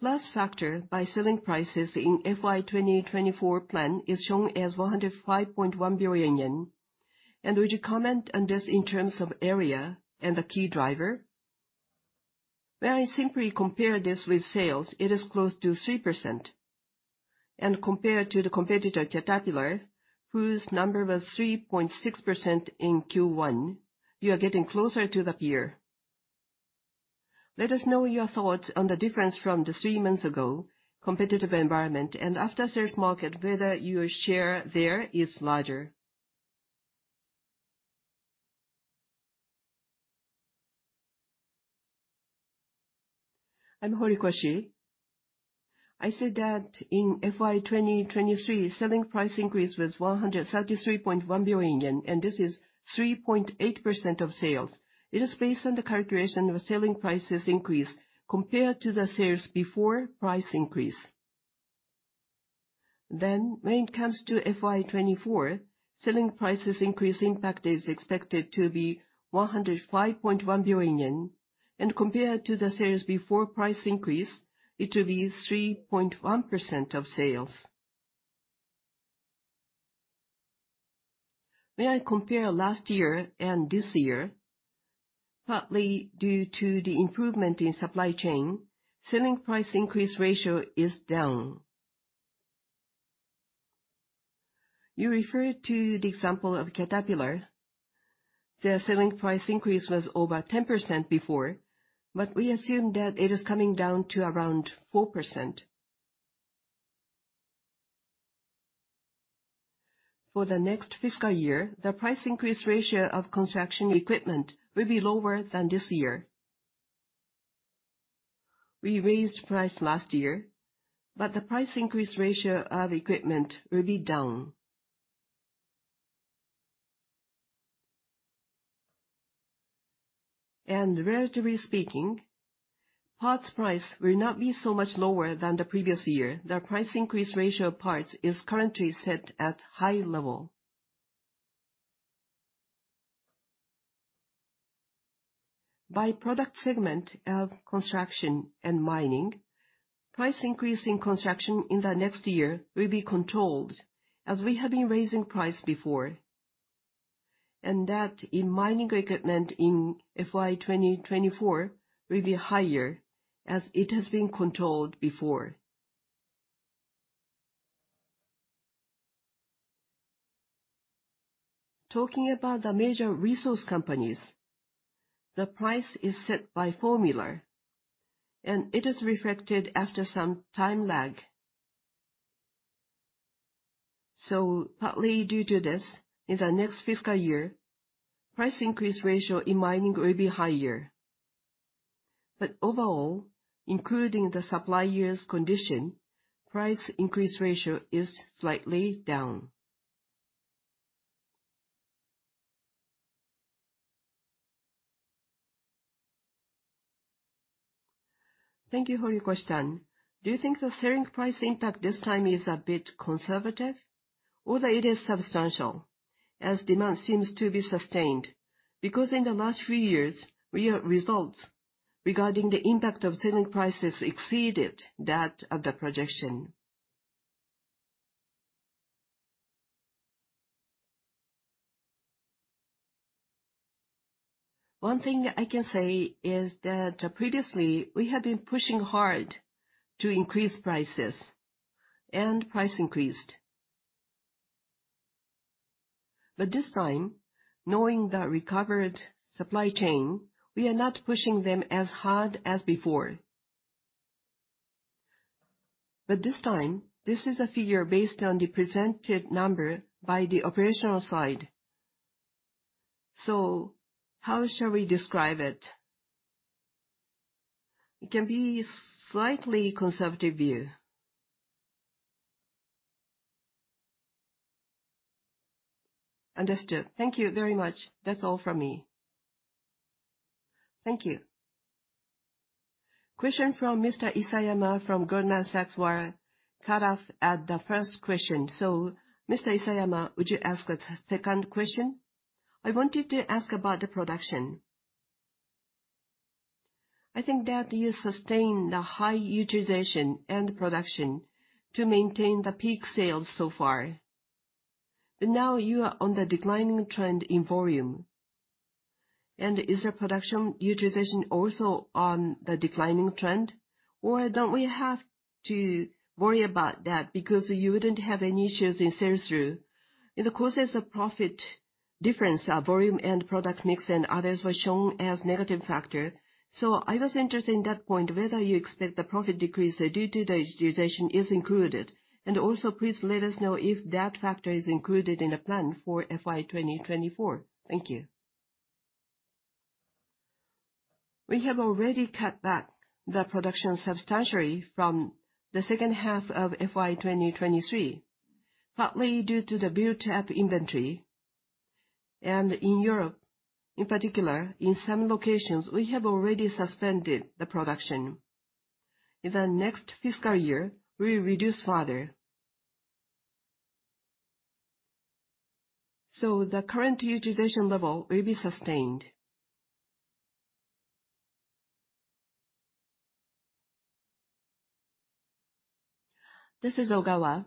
Speaker 7: The last factor by selling prices in the FY2024 plan is shown as 105.1 billion yen. Would you comment on this in terms of area and the key driver? When I simply compare this with sales, it is close to 3%. Compared to the competitor Caterpillar, whose number was 3.6% in Q1, you are getting closer to the peer. Let us know your thoughts on the difference from three months ago, the competitive environment, and the after-sales market, whether your share there is larger.
Speaker 1: I'm Horikoshi. I said that in FY2023, the selling price increase was 173.1 billion yen, and this is 3.8% of sales. It is based on the calculation of the selling prices increase compared to the sales before the price increase. When it comes to FY2024, the selling prices increase impact is expected to be 105.1 billion yen. Compared to the sales before the price increase, it will be 3.1% of sales. When I compare last year and this year, partly due to the improvement in the supply chain, the selling price increase ratio is down. You referred to the example of Caterpillar. The selling price increase was over 10% before, but we assume that it is coming down to around 4%. For the next fiscal year, the price increase ratio of construction equipment will be lower than this year. We raised the price last year, but the price increase ratio of equipment will be down. Relatively speaking, parts price will not be so much lower than the previous year. The price increase ratio of parts is currently set at a high level. By the product segment of construction and mining, the price increase in construction in the next year will be controlled as we have been raising the price before. That in mining equipment in FY2024, it will be higher as it has been controlled before. Talking about the major resource companies, the price is set by a formula, and it is reflected after some time lag. Partly due to this, in the next fiscal year, the price increase ratio in mining will be higher. Overall, including the supply year's condition, the price increase ratio is slightly down.
Speaker 7: Thank you, Horikoshi-san. Do you think the selling price impact this time is a bit conservative, or that it is substantial as demand seems to be sustained because in the last few years, the results regarding the impact of selling prices exceeded that of the projection?
Speaker 1: One thing I can say is that previously, we have been pushing hard to increase prices, and the price increased. But this time, knowing the recovered supply chain, we are not pushing them as hard as before.
Speaker 7: But this time, this is a figure based on the presented number by the operational side. So how shall we describe it?
Speaker 1: It can be a slightly conservative view.
Speaker 7: Understood. Thank you very much. That's all from me.
Speaker 1: Thank you. Question from Mr. Isayama from Goldman Sachs was cut off at the first question. So Mr. Isayama, would you ask a second question?
Speaker 6: I wanted to ask about the production. I think that you sustained the high utilization and production to maintain the peak sales so far. Now you are on the declining trend in volume. Is the production utilization also on the declining trend, or don't we have to worry about that because you wouldn't have any issues in sales through? In the course of profit, the difference of volume and product mix and others was shown as a negative factor. So I was interested in that point, whether you expect the profit decrease due to the utilization is included. Also, please let us know if that factor is included in the plan for FY2024.
Speaker 1: Thank you. We have already cut back the production substantially from the second half of FY2023, partly due to the built-up inventory. In Europe, in particular, in some locations, we have already suspended the production. In the next fiscal year, we will reduce further. The current utilization level will be sustained.
Speaker 8: This is Ogawa.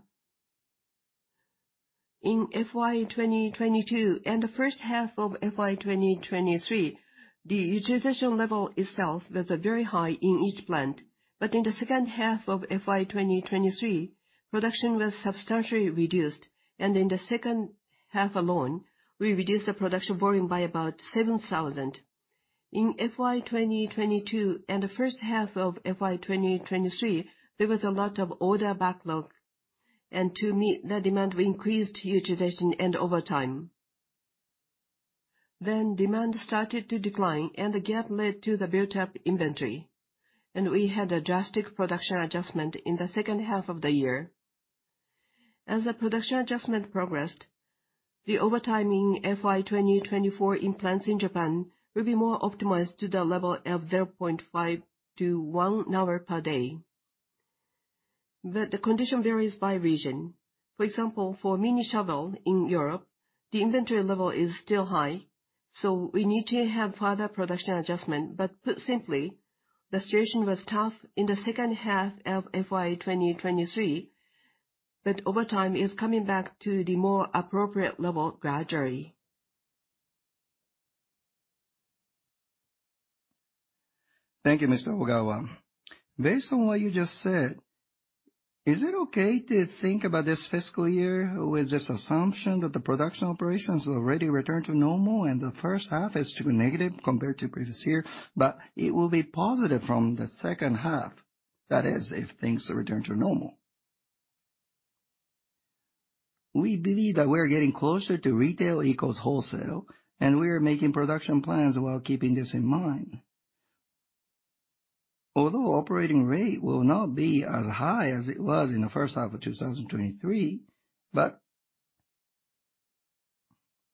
Speaker 8: In FY2022 and the first half of FY2023, the utilization level itself was very high in each plant. But in the second half of FY2023, production was substantially reduced. In the second half alone, we reduced the production volume by about 7,000. In FY2022 and the first half of FY2023, there was a lot of order backlog. To meet the demand, we increased utilization and overtime. Then demand started to decline, and the gap led to the built-up inventory. We had a drastic production adjustment in the second half of the year. As the production adjustment progressed, the overtime in FY2024 in plants in Japan will be more optimized to the level of 0.5-1 hour per day. But the condition varies by region. For example, for mini shovel in Europe, the inventory level is still high. So we need to have further production adjustment. But put simply, the situation was tough in the second half of FY2023, but over time, it is coming back to the more appropriate level gradually.
Speaker 6: Thank you, Mr. Ogawa. Based on what you just said, is it okay to think about this fiscal year with this assumption that the production operations will already return to normal and the first half is to be negative compared to the previous year, but it will be positive from the second half, that is, if things return to normal?
Speaker 8: We believe that we are getting closer to retail equals wholesale, and we are making production plans while keeping this in mind. Although the operating rate will not be as high as it was in the first half of 2023, but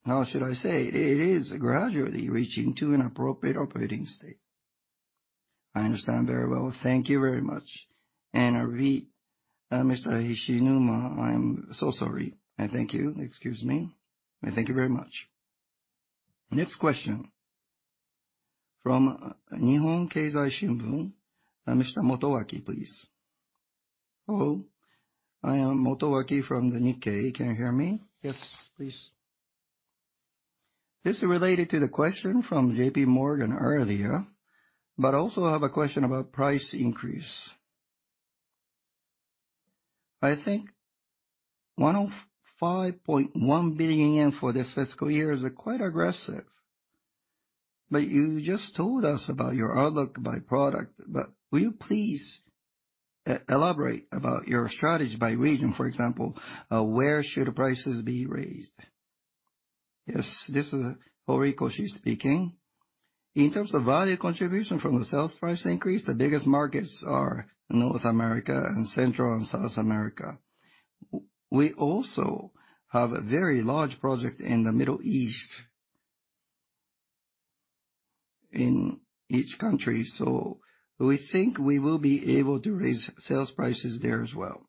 Speaker 8: how should I say it? It is gradually reaching an appropriate operating state.
Speaker 6: I understand very well. Thank you very much. And I repeat, Mr. Hishinuma, I am so sorry. I thank you. Excuse me. I thank you very much.
Speaker 8: Next question from Nihon Keizai Shimbun, Mr. Motoaki, please.
Speaker 9: Hello, I am Motoaki from the Nikkei. Can you hear me?
Speaker 1: Yes, please.
Speaker 9: This is related to the question from JPMorgan earlier, but I also have a question about the price increase. I think 105.1 billion yen for this fiscal year is quite aggressive. But you just told us about your outlook by product, but will you please elaborate about your strategy by region? For example, where should the prices be raised?
Speaker 1: Yes, this is Horikoshi speaking. In terms of value contribution from the sales price increase, the biggest markets are North America and Central and South America. We also have a very large project in the Middle East in each country, so we think we will be able to raise sales prices there as well.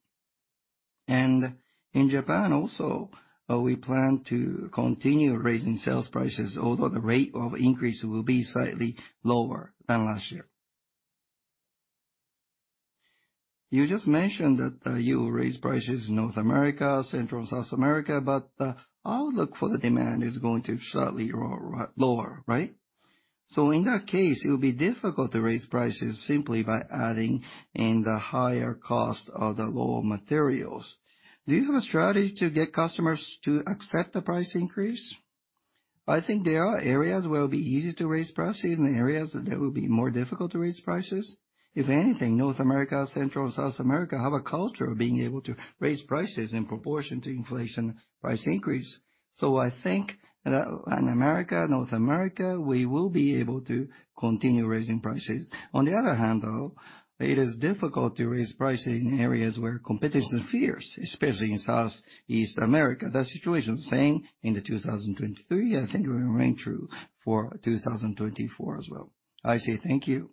Speaker 1: And in Japan also, we plan to continue raising sales prices, although the rate of increase will be slightly lower than last year.
Speaker 9: You just mentioned that you will raise prices in North America, Central and South America, but the outlook for the demand is going to be slightly lower, right? So in that case, it will be difficult to raise prices simply by adding in the higher cost of the raw materials. Do you have a strategy to get customers to accept the price increase?
Speaker 1: I think there are areas where it will be easy to raise prices and areas that it will be more difficult to raise prices. If anything, North America, Central, and South America have a culture of being able to raise prices in proportion to inflation price increase. So I think in America, North America, we will be able to continue raising prices. On the other hand, though, it is difficult to raise prices in areas where competition is fierce, especially in Southeast Asia. That situation is the same in 2023. I think it will remain true for 2024 as well.
Speaker 9: I say thank you.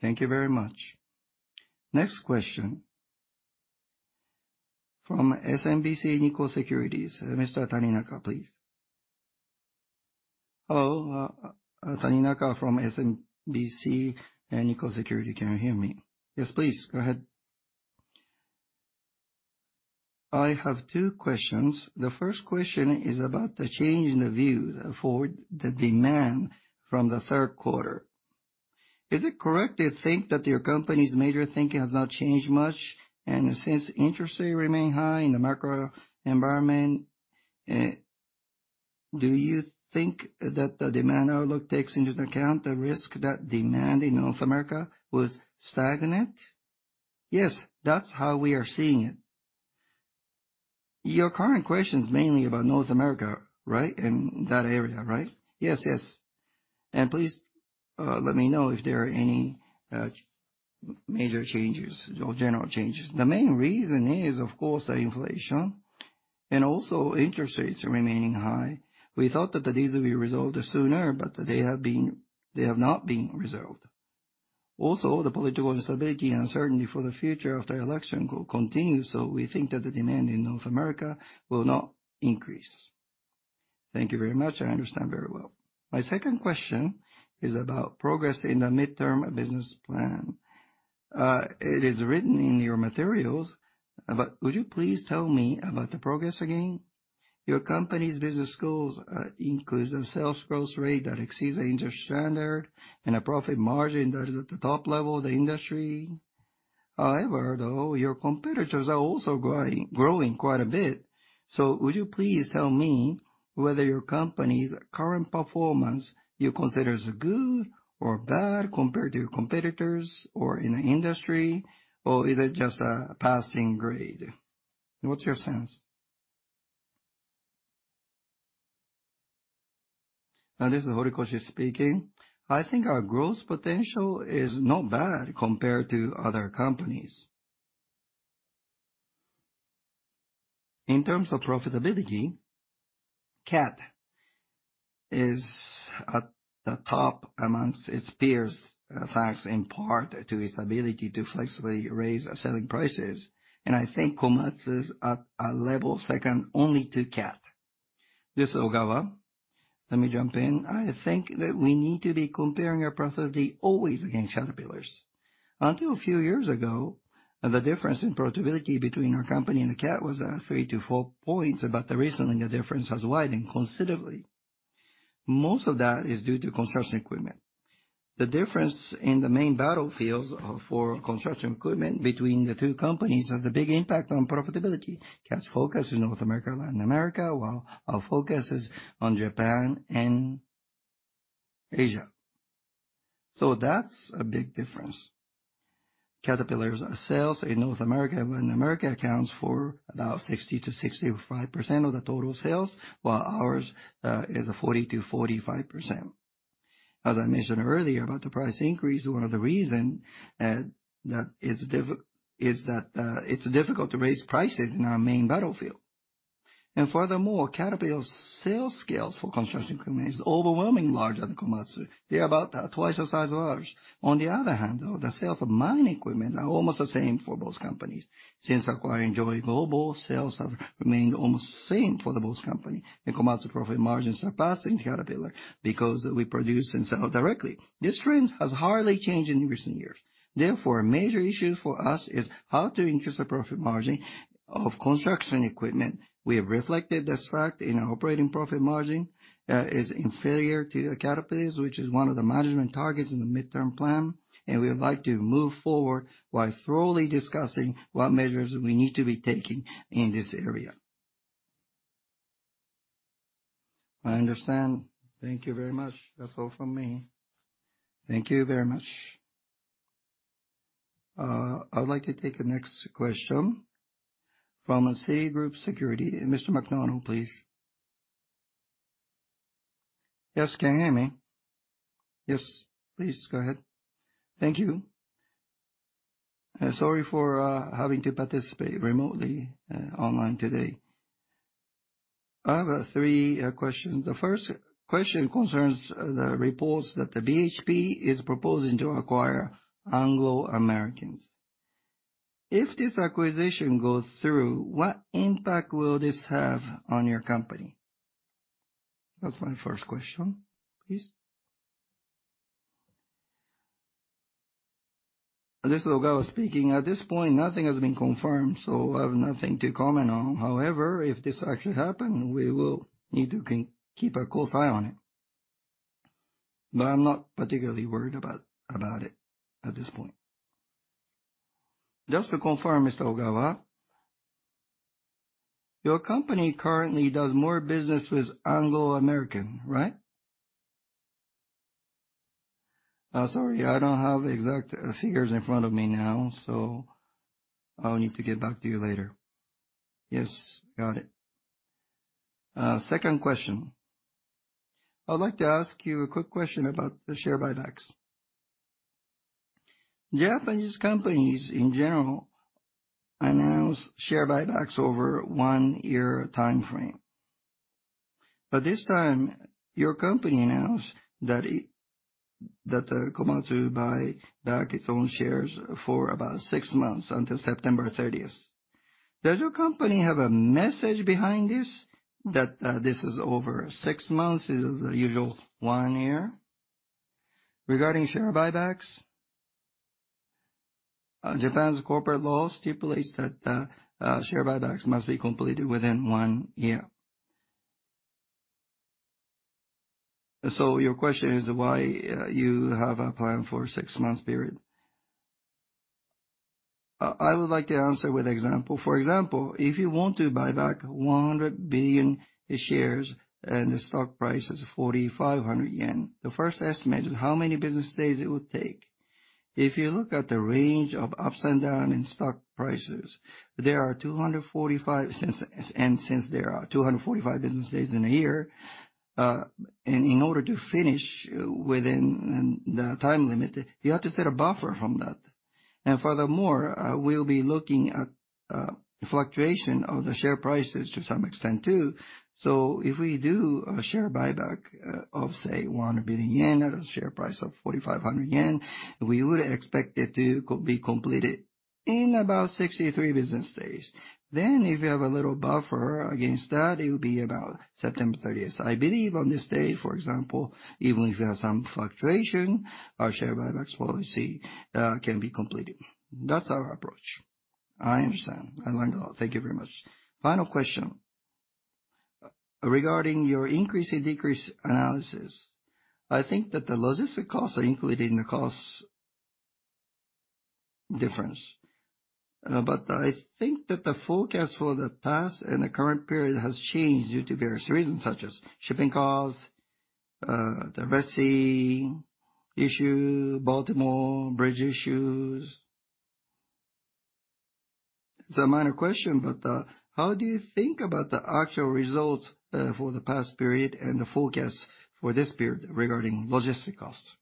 Speaker 1: Thank you very much. Next question from SMBC Nikko Securities, Mr. Taninaka, please.
Speaker 10: Hello, Taninaka from SMBC Nikko Securities. Can you hear me?
Speaker 1: Yes, please, go ahead.
Speaker 10: I have two questions. The first question is about the change in the views for the demand from the third quarter. Is it correct to think that your company's major thinking has not changed much, and since interest rates remain high in the macro environment, do you think that the demand outlook takes into account the risk that demand in North America was stagnant?
Speaker 1: Yes, that's how we are seeing it. Your current question is mainly about North America, right, and that area, right?
Speaker 10: Yes, yes. And please let me know if there are any major changes or general changes.
Speaker 1: The main reason is, of course, inflation and also interest rates remaining high. We thought that these would be resolved sooner, but they have not been resolved. Also, the political instability and uncertainty for the future after the election will continue, so we think that the demand in North America will not increase.
Speaker 10: Thank you very much. I understand very well. My second question is about progress in the midterm business plan. It is written in your materials, but would you please tell me about the progress again? Your company's business goals include a sales growth rate that exceeds the industry standard and a profit margin that is at the top level of the industry. However, though, your competitors are also growing quite a bit, so would you please tell me whether your company's current performance you consider good or bad compared to your competitors or in the industry, or is it just a passing grade? What's your sense?
Speaker 1: This is Horikoshi speaking. I think our growth potential is not bad compared to other companies. In terms of profitability, CAT is at the top among its peers, thanks in part to its ability to flexibly raise selling prices, and I think Komatsu is at a level second only to CAT.
Speaker 8: This is Ogawa. Let me jump in. I think that we need to be comparing our profitability always against other pillars. Until a few years ago, the difference in profitability between our company and CAT was 3-4 points, but recently, the difference has widened considerably. Most of that is due to construction equipment. The difference in the main battlefields for construction equipment between the two companies has a big impact on profitability. CAT's focus is North America and Latin America, while our focus is on Japan and Asia. So that's a big difference. Caterpillar's sales in North America and Latin America, which accounts for about 60%-65% of the total sales, while ours is 40%-45%. As I mentioned earlier about the price increase, one of the reasons that is difficult is that it's difficult to raise prices in our main battlefield. And furthermore, Caterpillar's sales scales for construction equipment are overwhelmingly larger than Komatsu. They are about twice the size of ours. On the other hand, though, the sales of mine equipment are almost the same for both companies. Since acquiring Joy Global, sales have remained almost the same for both companies, and Komatsu's profit margins surpass the CAT peer because we produce and sell directly. This trend has hardly changed in recent years. Therefore, a major issue for us is how to increase the profit margin of construction equipment. We have reflected this fact in our operating profit margin. It is inferior to the Caterpillar's, which is one of the management targets in the midterm plan, and we would like to move forward while thoroughly discussing what measures we need to be taking in this area.
Speaker 10: I understand. Thank you very much. That's all from me.
Speaker 8: Thank you very much. I'd like to take the next question from Citigroup Securities, Mr. McDonald, please.
Speaker 11: Yes, can you hear me?
Speaker 8: Yes, please go ahead.
Speaker 11: Thank you. Sorry for having to participate remotely online today. I have three questions.
Speaker 1: The first question concerns the reports that the BHP is proposing to acquire Anglo American. If this acquisition goes through, what impact will this have on your company? That's my first question, please.
Speaker 8: This is Ogawa speaking. At this point, nothing has been confirmed, so I have nothing to comment on. However, if this actually happens, we will need to keep a close eye on it, but I'm not particularly worried about it at this point.
Speaker 11: Just to confirm, Mr. Ogawa, your company currently does more business with Anglo American, right?
Speaker 8: Sorry, I don't have exact figures in front of me now, so I'll need to get back to you later.
Speaker 11: Yes, got it. Second question. I'd like to ask you a quick question about the share buybacks. Japanese companies, in general, announce share buybacks over a one-year timeframe, but this time, your company announced that Komatsu will buy back its own shares for about six months until September 30th. Does your company have a message behind this that this is over six months instead of the usual one year?
Speaker 8: Regarding share buybacks, Japan's corporate law stipulates that share buybacks must be completed within one year. So your question is why you have a plan for a six-month period. I would like to answer with an example. For example, if you want to buy back 100 billion shares and the stock price is 4,500 yen, the first estimate is how many business days it would take. If you look at the range of ups and downs in stock prices, there are 245 and since there are 245 business days in a year, and in order to finish within the time limit, you have to set a buffer from that. Furthermore, we will be looking at fluctuation of the share prices to some extent too, so if we do a share buyback of, say, 100 billion yen at a share price of 4,500 yen, we would expect it to be completed in about 63 business days. If you have a little buffer against that, it will be about September 30th. I believe on this date, for example, even if you have some fluctuation, our share buyback policy can be completed. That's our approach.
Speaker 11: I understand. I learned a lot. Thank you very much. Final question. Regarding your increase and decrease analysis, I think that the logistic costs are included in the cost difference, but I think that the forecast for the past and the current period has changed due to various reasons such as shipping costs, the Red Sea issue, Baltimore bridge issues. It's a minor question, but how do you think about the actual results for the past period and the forecast for this period regarding logistic costs?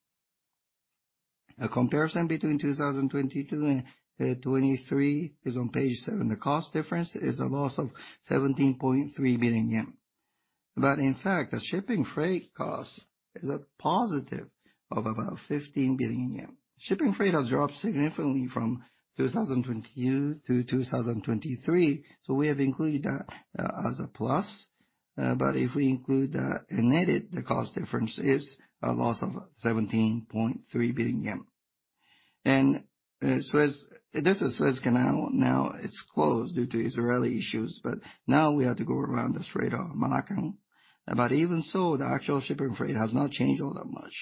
Speaker 8: A comparison between 2022 and 2023 is on page seven. The cost difference is a loss of 17.3 billion yen, but in fact, the shipping freight cost is a positive of about 15 billion yen. Shipping freight has dropped significantly from 2022 to 2023, so we have included that as a plus, but if we include that, netted the cost difference is a loss of 17.3 billion yen. And Suez, this is Suez Canal. Now, it's closed due to Israeli issues, but now we have to go around the Strait of Malacca, but even so, the actual shipping freight has not changed all that much,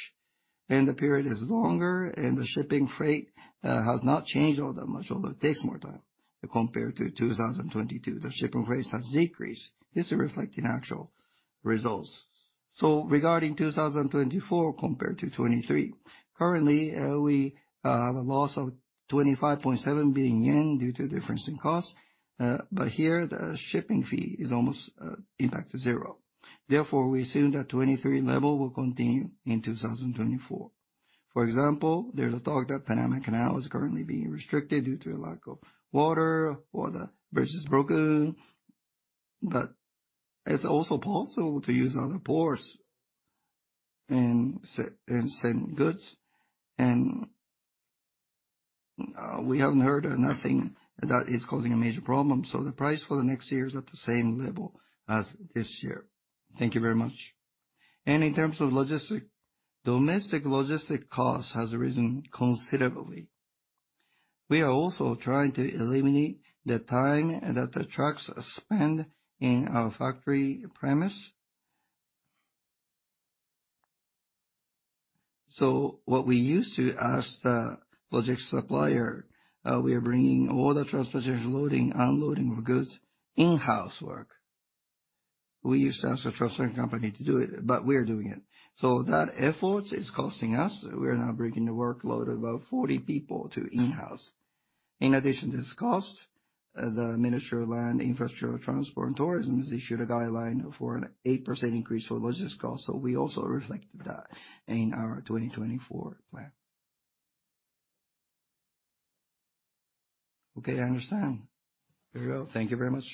Speaker 8: and the period is longer, and the shipping freight has not changed all that much, although it takes more time compared to 2022. The shipping freight has decreased. This is reflecting actual results. So regarding 2024 compared to 2023, currently, we have a loss of 25.7 billion yen due to a difference in costs, but here, the shipping fee is almost impacted zero. Therefore, we assume that 2023 level will continue in 2024. For example, there's a talk that Panama Canal is currently being restricted due to a lack of water or the bridge is broken, but it's also possible to use other ports and send goods, and we haven't heard nothing that is causing a major problem, so the price for the next year is at the same level as this year. Thank you very much. In terms of logistics, domestic logistics costs have risen considerably. We are also trying to eliminate the time that the trucks spend in our factory premises, so what we used to ask the logistics supplier, "We are bringing all the transportation loading, unloading of goods in-house work." We used to ask the transport company to do it, but we are doing it, so that effort is costing us. We are now bringing the workload of about 40 people to in-house. In addition to this cost, the Ministry of Land, Infrastructure, Transport, and Tourism has issued a guideline for an 8% increase for logistics costs, so we also reflected that in our 2024 plan.
Speaker 11: Okay, I understand. Here we go. Thank you very much.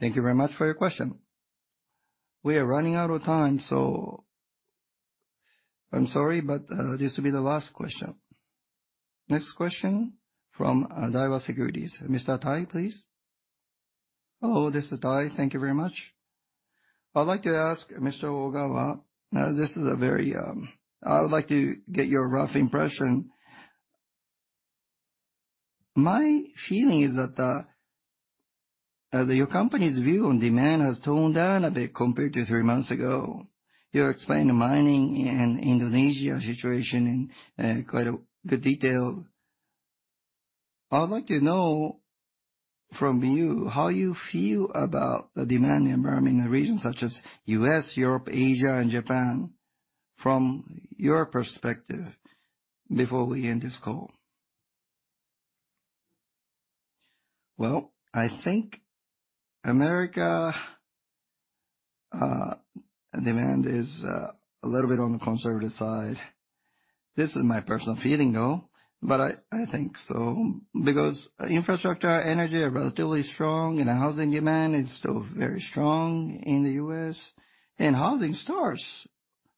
Speaker 11: Thank you very much for your question. We are running out of time, so I'm sorry, but this will be the last question. Next question from Daiwa Securities. Mr. Tai, please.
Speaker 12: Hello, this is Tai. Thank you very much. I'd like to ask Mr. Ogawa, this is a very—I would like to get your rough impression. My feeling is that your company's view on demand has toned down a bit compared to three months ago. You explained the mining and Indonesia situation in quite a good detail. I'd like to know from you how you feel about the demand environment in regions such as the U.S., Europe, Asia, and Japan from your perspective before we end this call.
Speaker 8: Well, I think America's demand is a little bit on the conservative side. This is my personal feeling, though, but I think so because infrastructure and energy are relatively strong, and housing demand is still very strong in the U.S., and housing starts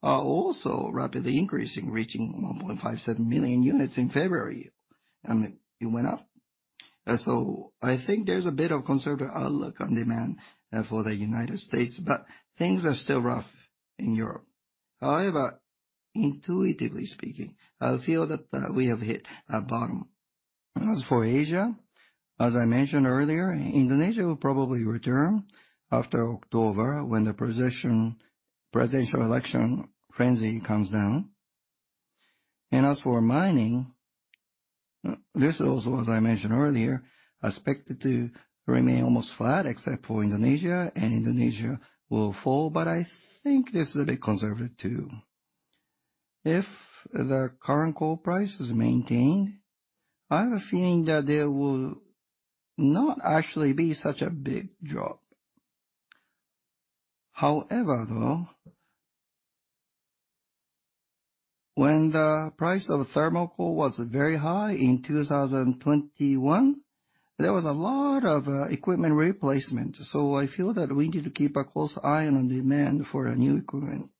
Speaker 8: are also rapidly increasing, reaching 1.57 million units in February. I mean, it went up, so I think there's a bit of a conservative outlook on demand for the United States, but things are still rough in Europe. However, intuitively speaking, I feel that we have hit a bottom. As for Asia, as I mentioned earlier, Indonesia will probably return after October when the presidential election frenzy comes down. And as for mining, this is also, as I mentioned earlier, expected to remain almost flat except for Indonesia, and Indonesia will fall, but I think this is a bit conservative too. If the current coal price is maintained, I have a feeling that there will not actually be such a big drop. However, though, when the price of thermal coal was very high in 2021, there was a lot of equipment replacement, so I feel that we need to keep a close eye on demand for new equipment.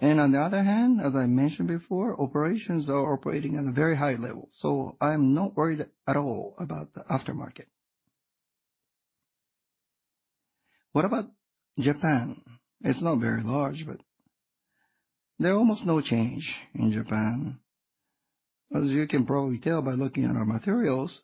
Speaker 8: And on the other hand, as I mentioned before, operations are operating at a very high level, so I'm not worried at all about the aftermarket.
Speaker 12: What about Japan?
Speaker 8: It's not very large, but there's almost no change in Japan. As you can probably tell by looking at our materials,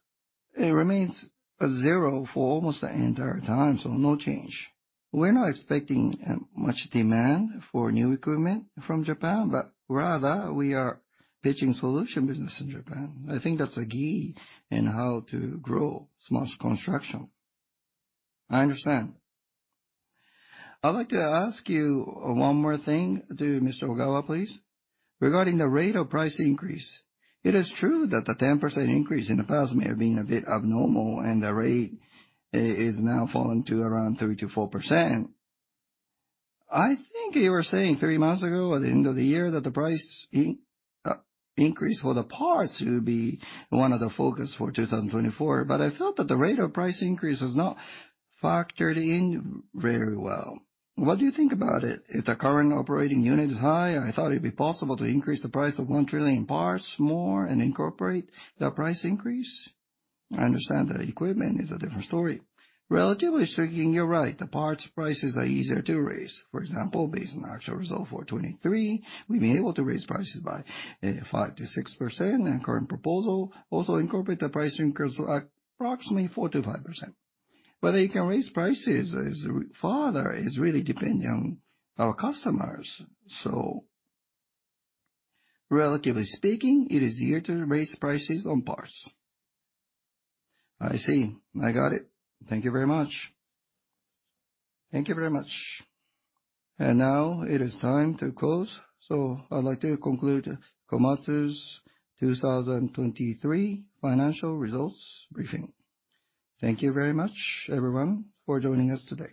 Speaker 8: it remains zero for almost the entire time, so no change. We're not expecting much demand for new equipment from Japan, but rather we are pitching solution business in Japan. I think that's a key in how to grow small construction.
Speaker 12: I understand. I'd like to ask you one more thing too, Mr. Ogawa, please. Regarding the rate of price increase, it is true that the 10% increase in the past may have been a bit abnormal, and the rate is now falling to around 3%-4%. I think you were saying three months ago, at the end of the year, that the price increase for the parts would be one of the focuses for 2024, but I felt that the rate of price increase has not factored in very well. What do you think about it? If the current operating unit is high, I thought it would be possible to increase the price of 1 trillion parts more and incorporate that price increase. I understand that equipment is a different story.
Speaker 1: Relatively speaking, you're right. The parts prices are easier to raise. For example, based on the actual result for 2023, we've been able to raise prices by 5%-6%, and the current proposal also incorporates the price increase to approximately 4%-5%. Whether you can raise prices further is really depending on our customers, so relatively speaking, it is easier to raise prices on parts.
Speaker 12: I see. I got it. Thank you very much.
Speaker 1: Thank you very much. Now it is time to close, so I'd like to conclude Komatsu's 2023 financial results briefing. Thank you very much, everyone, for joining us today.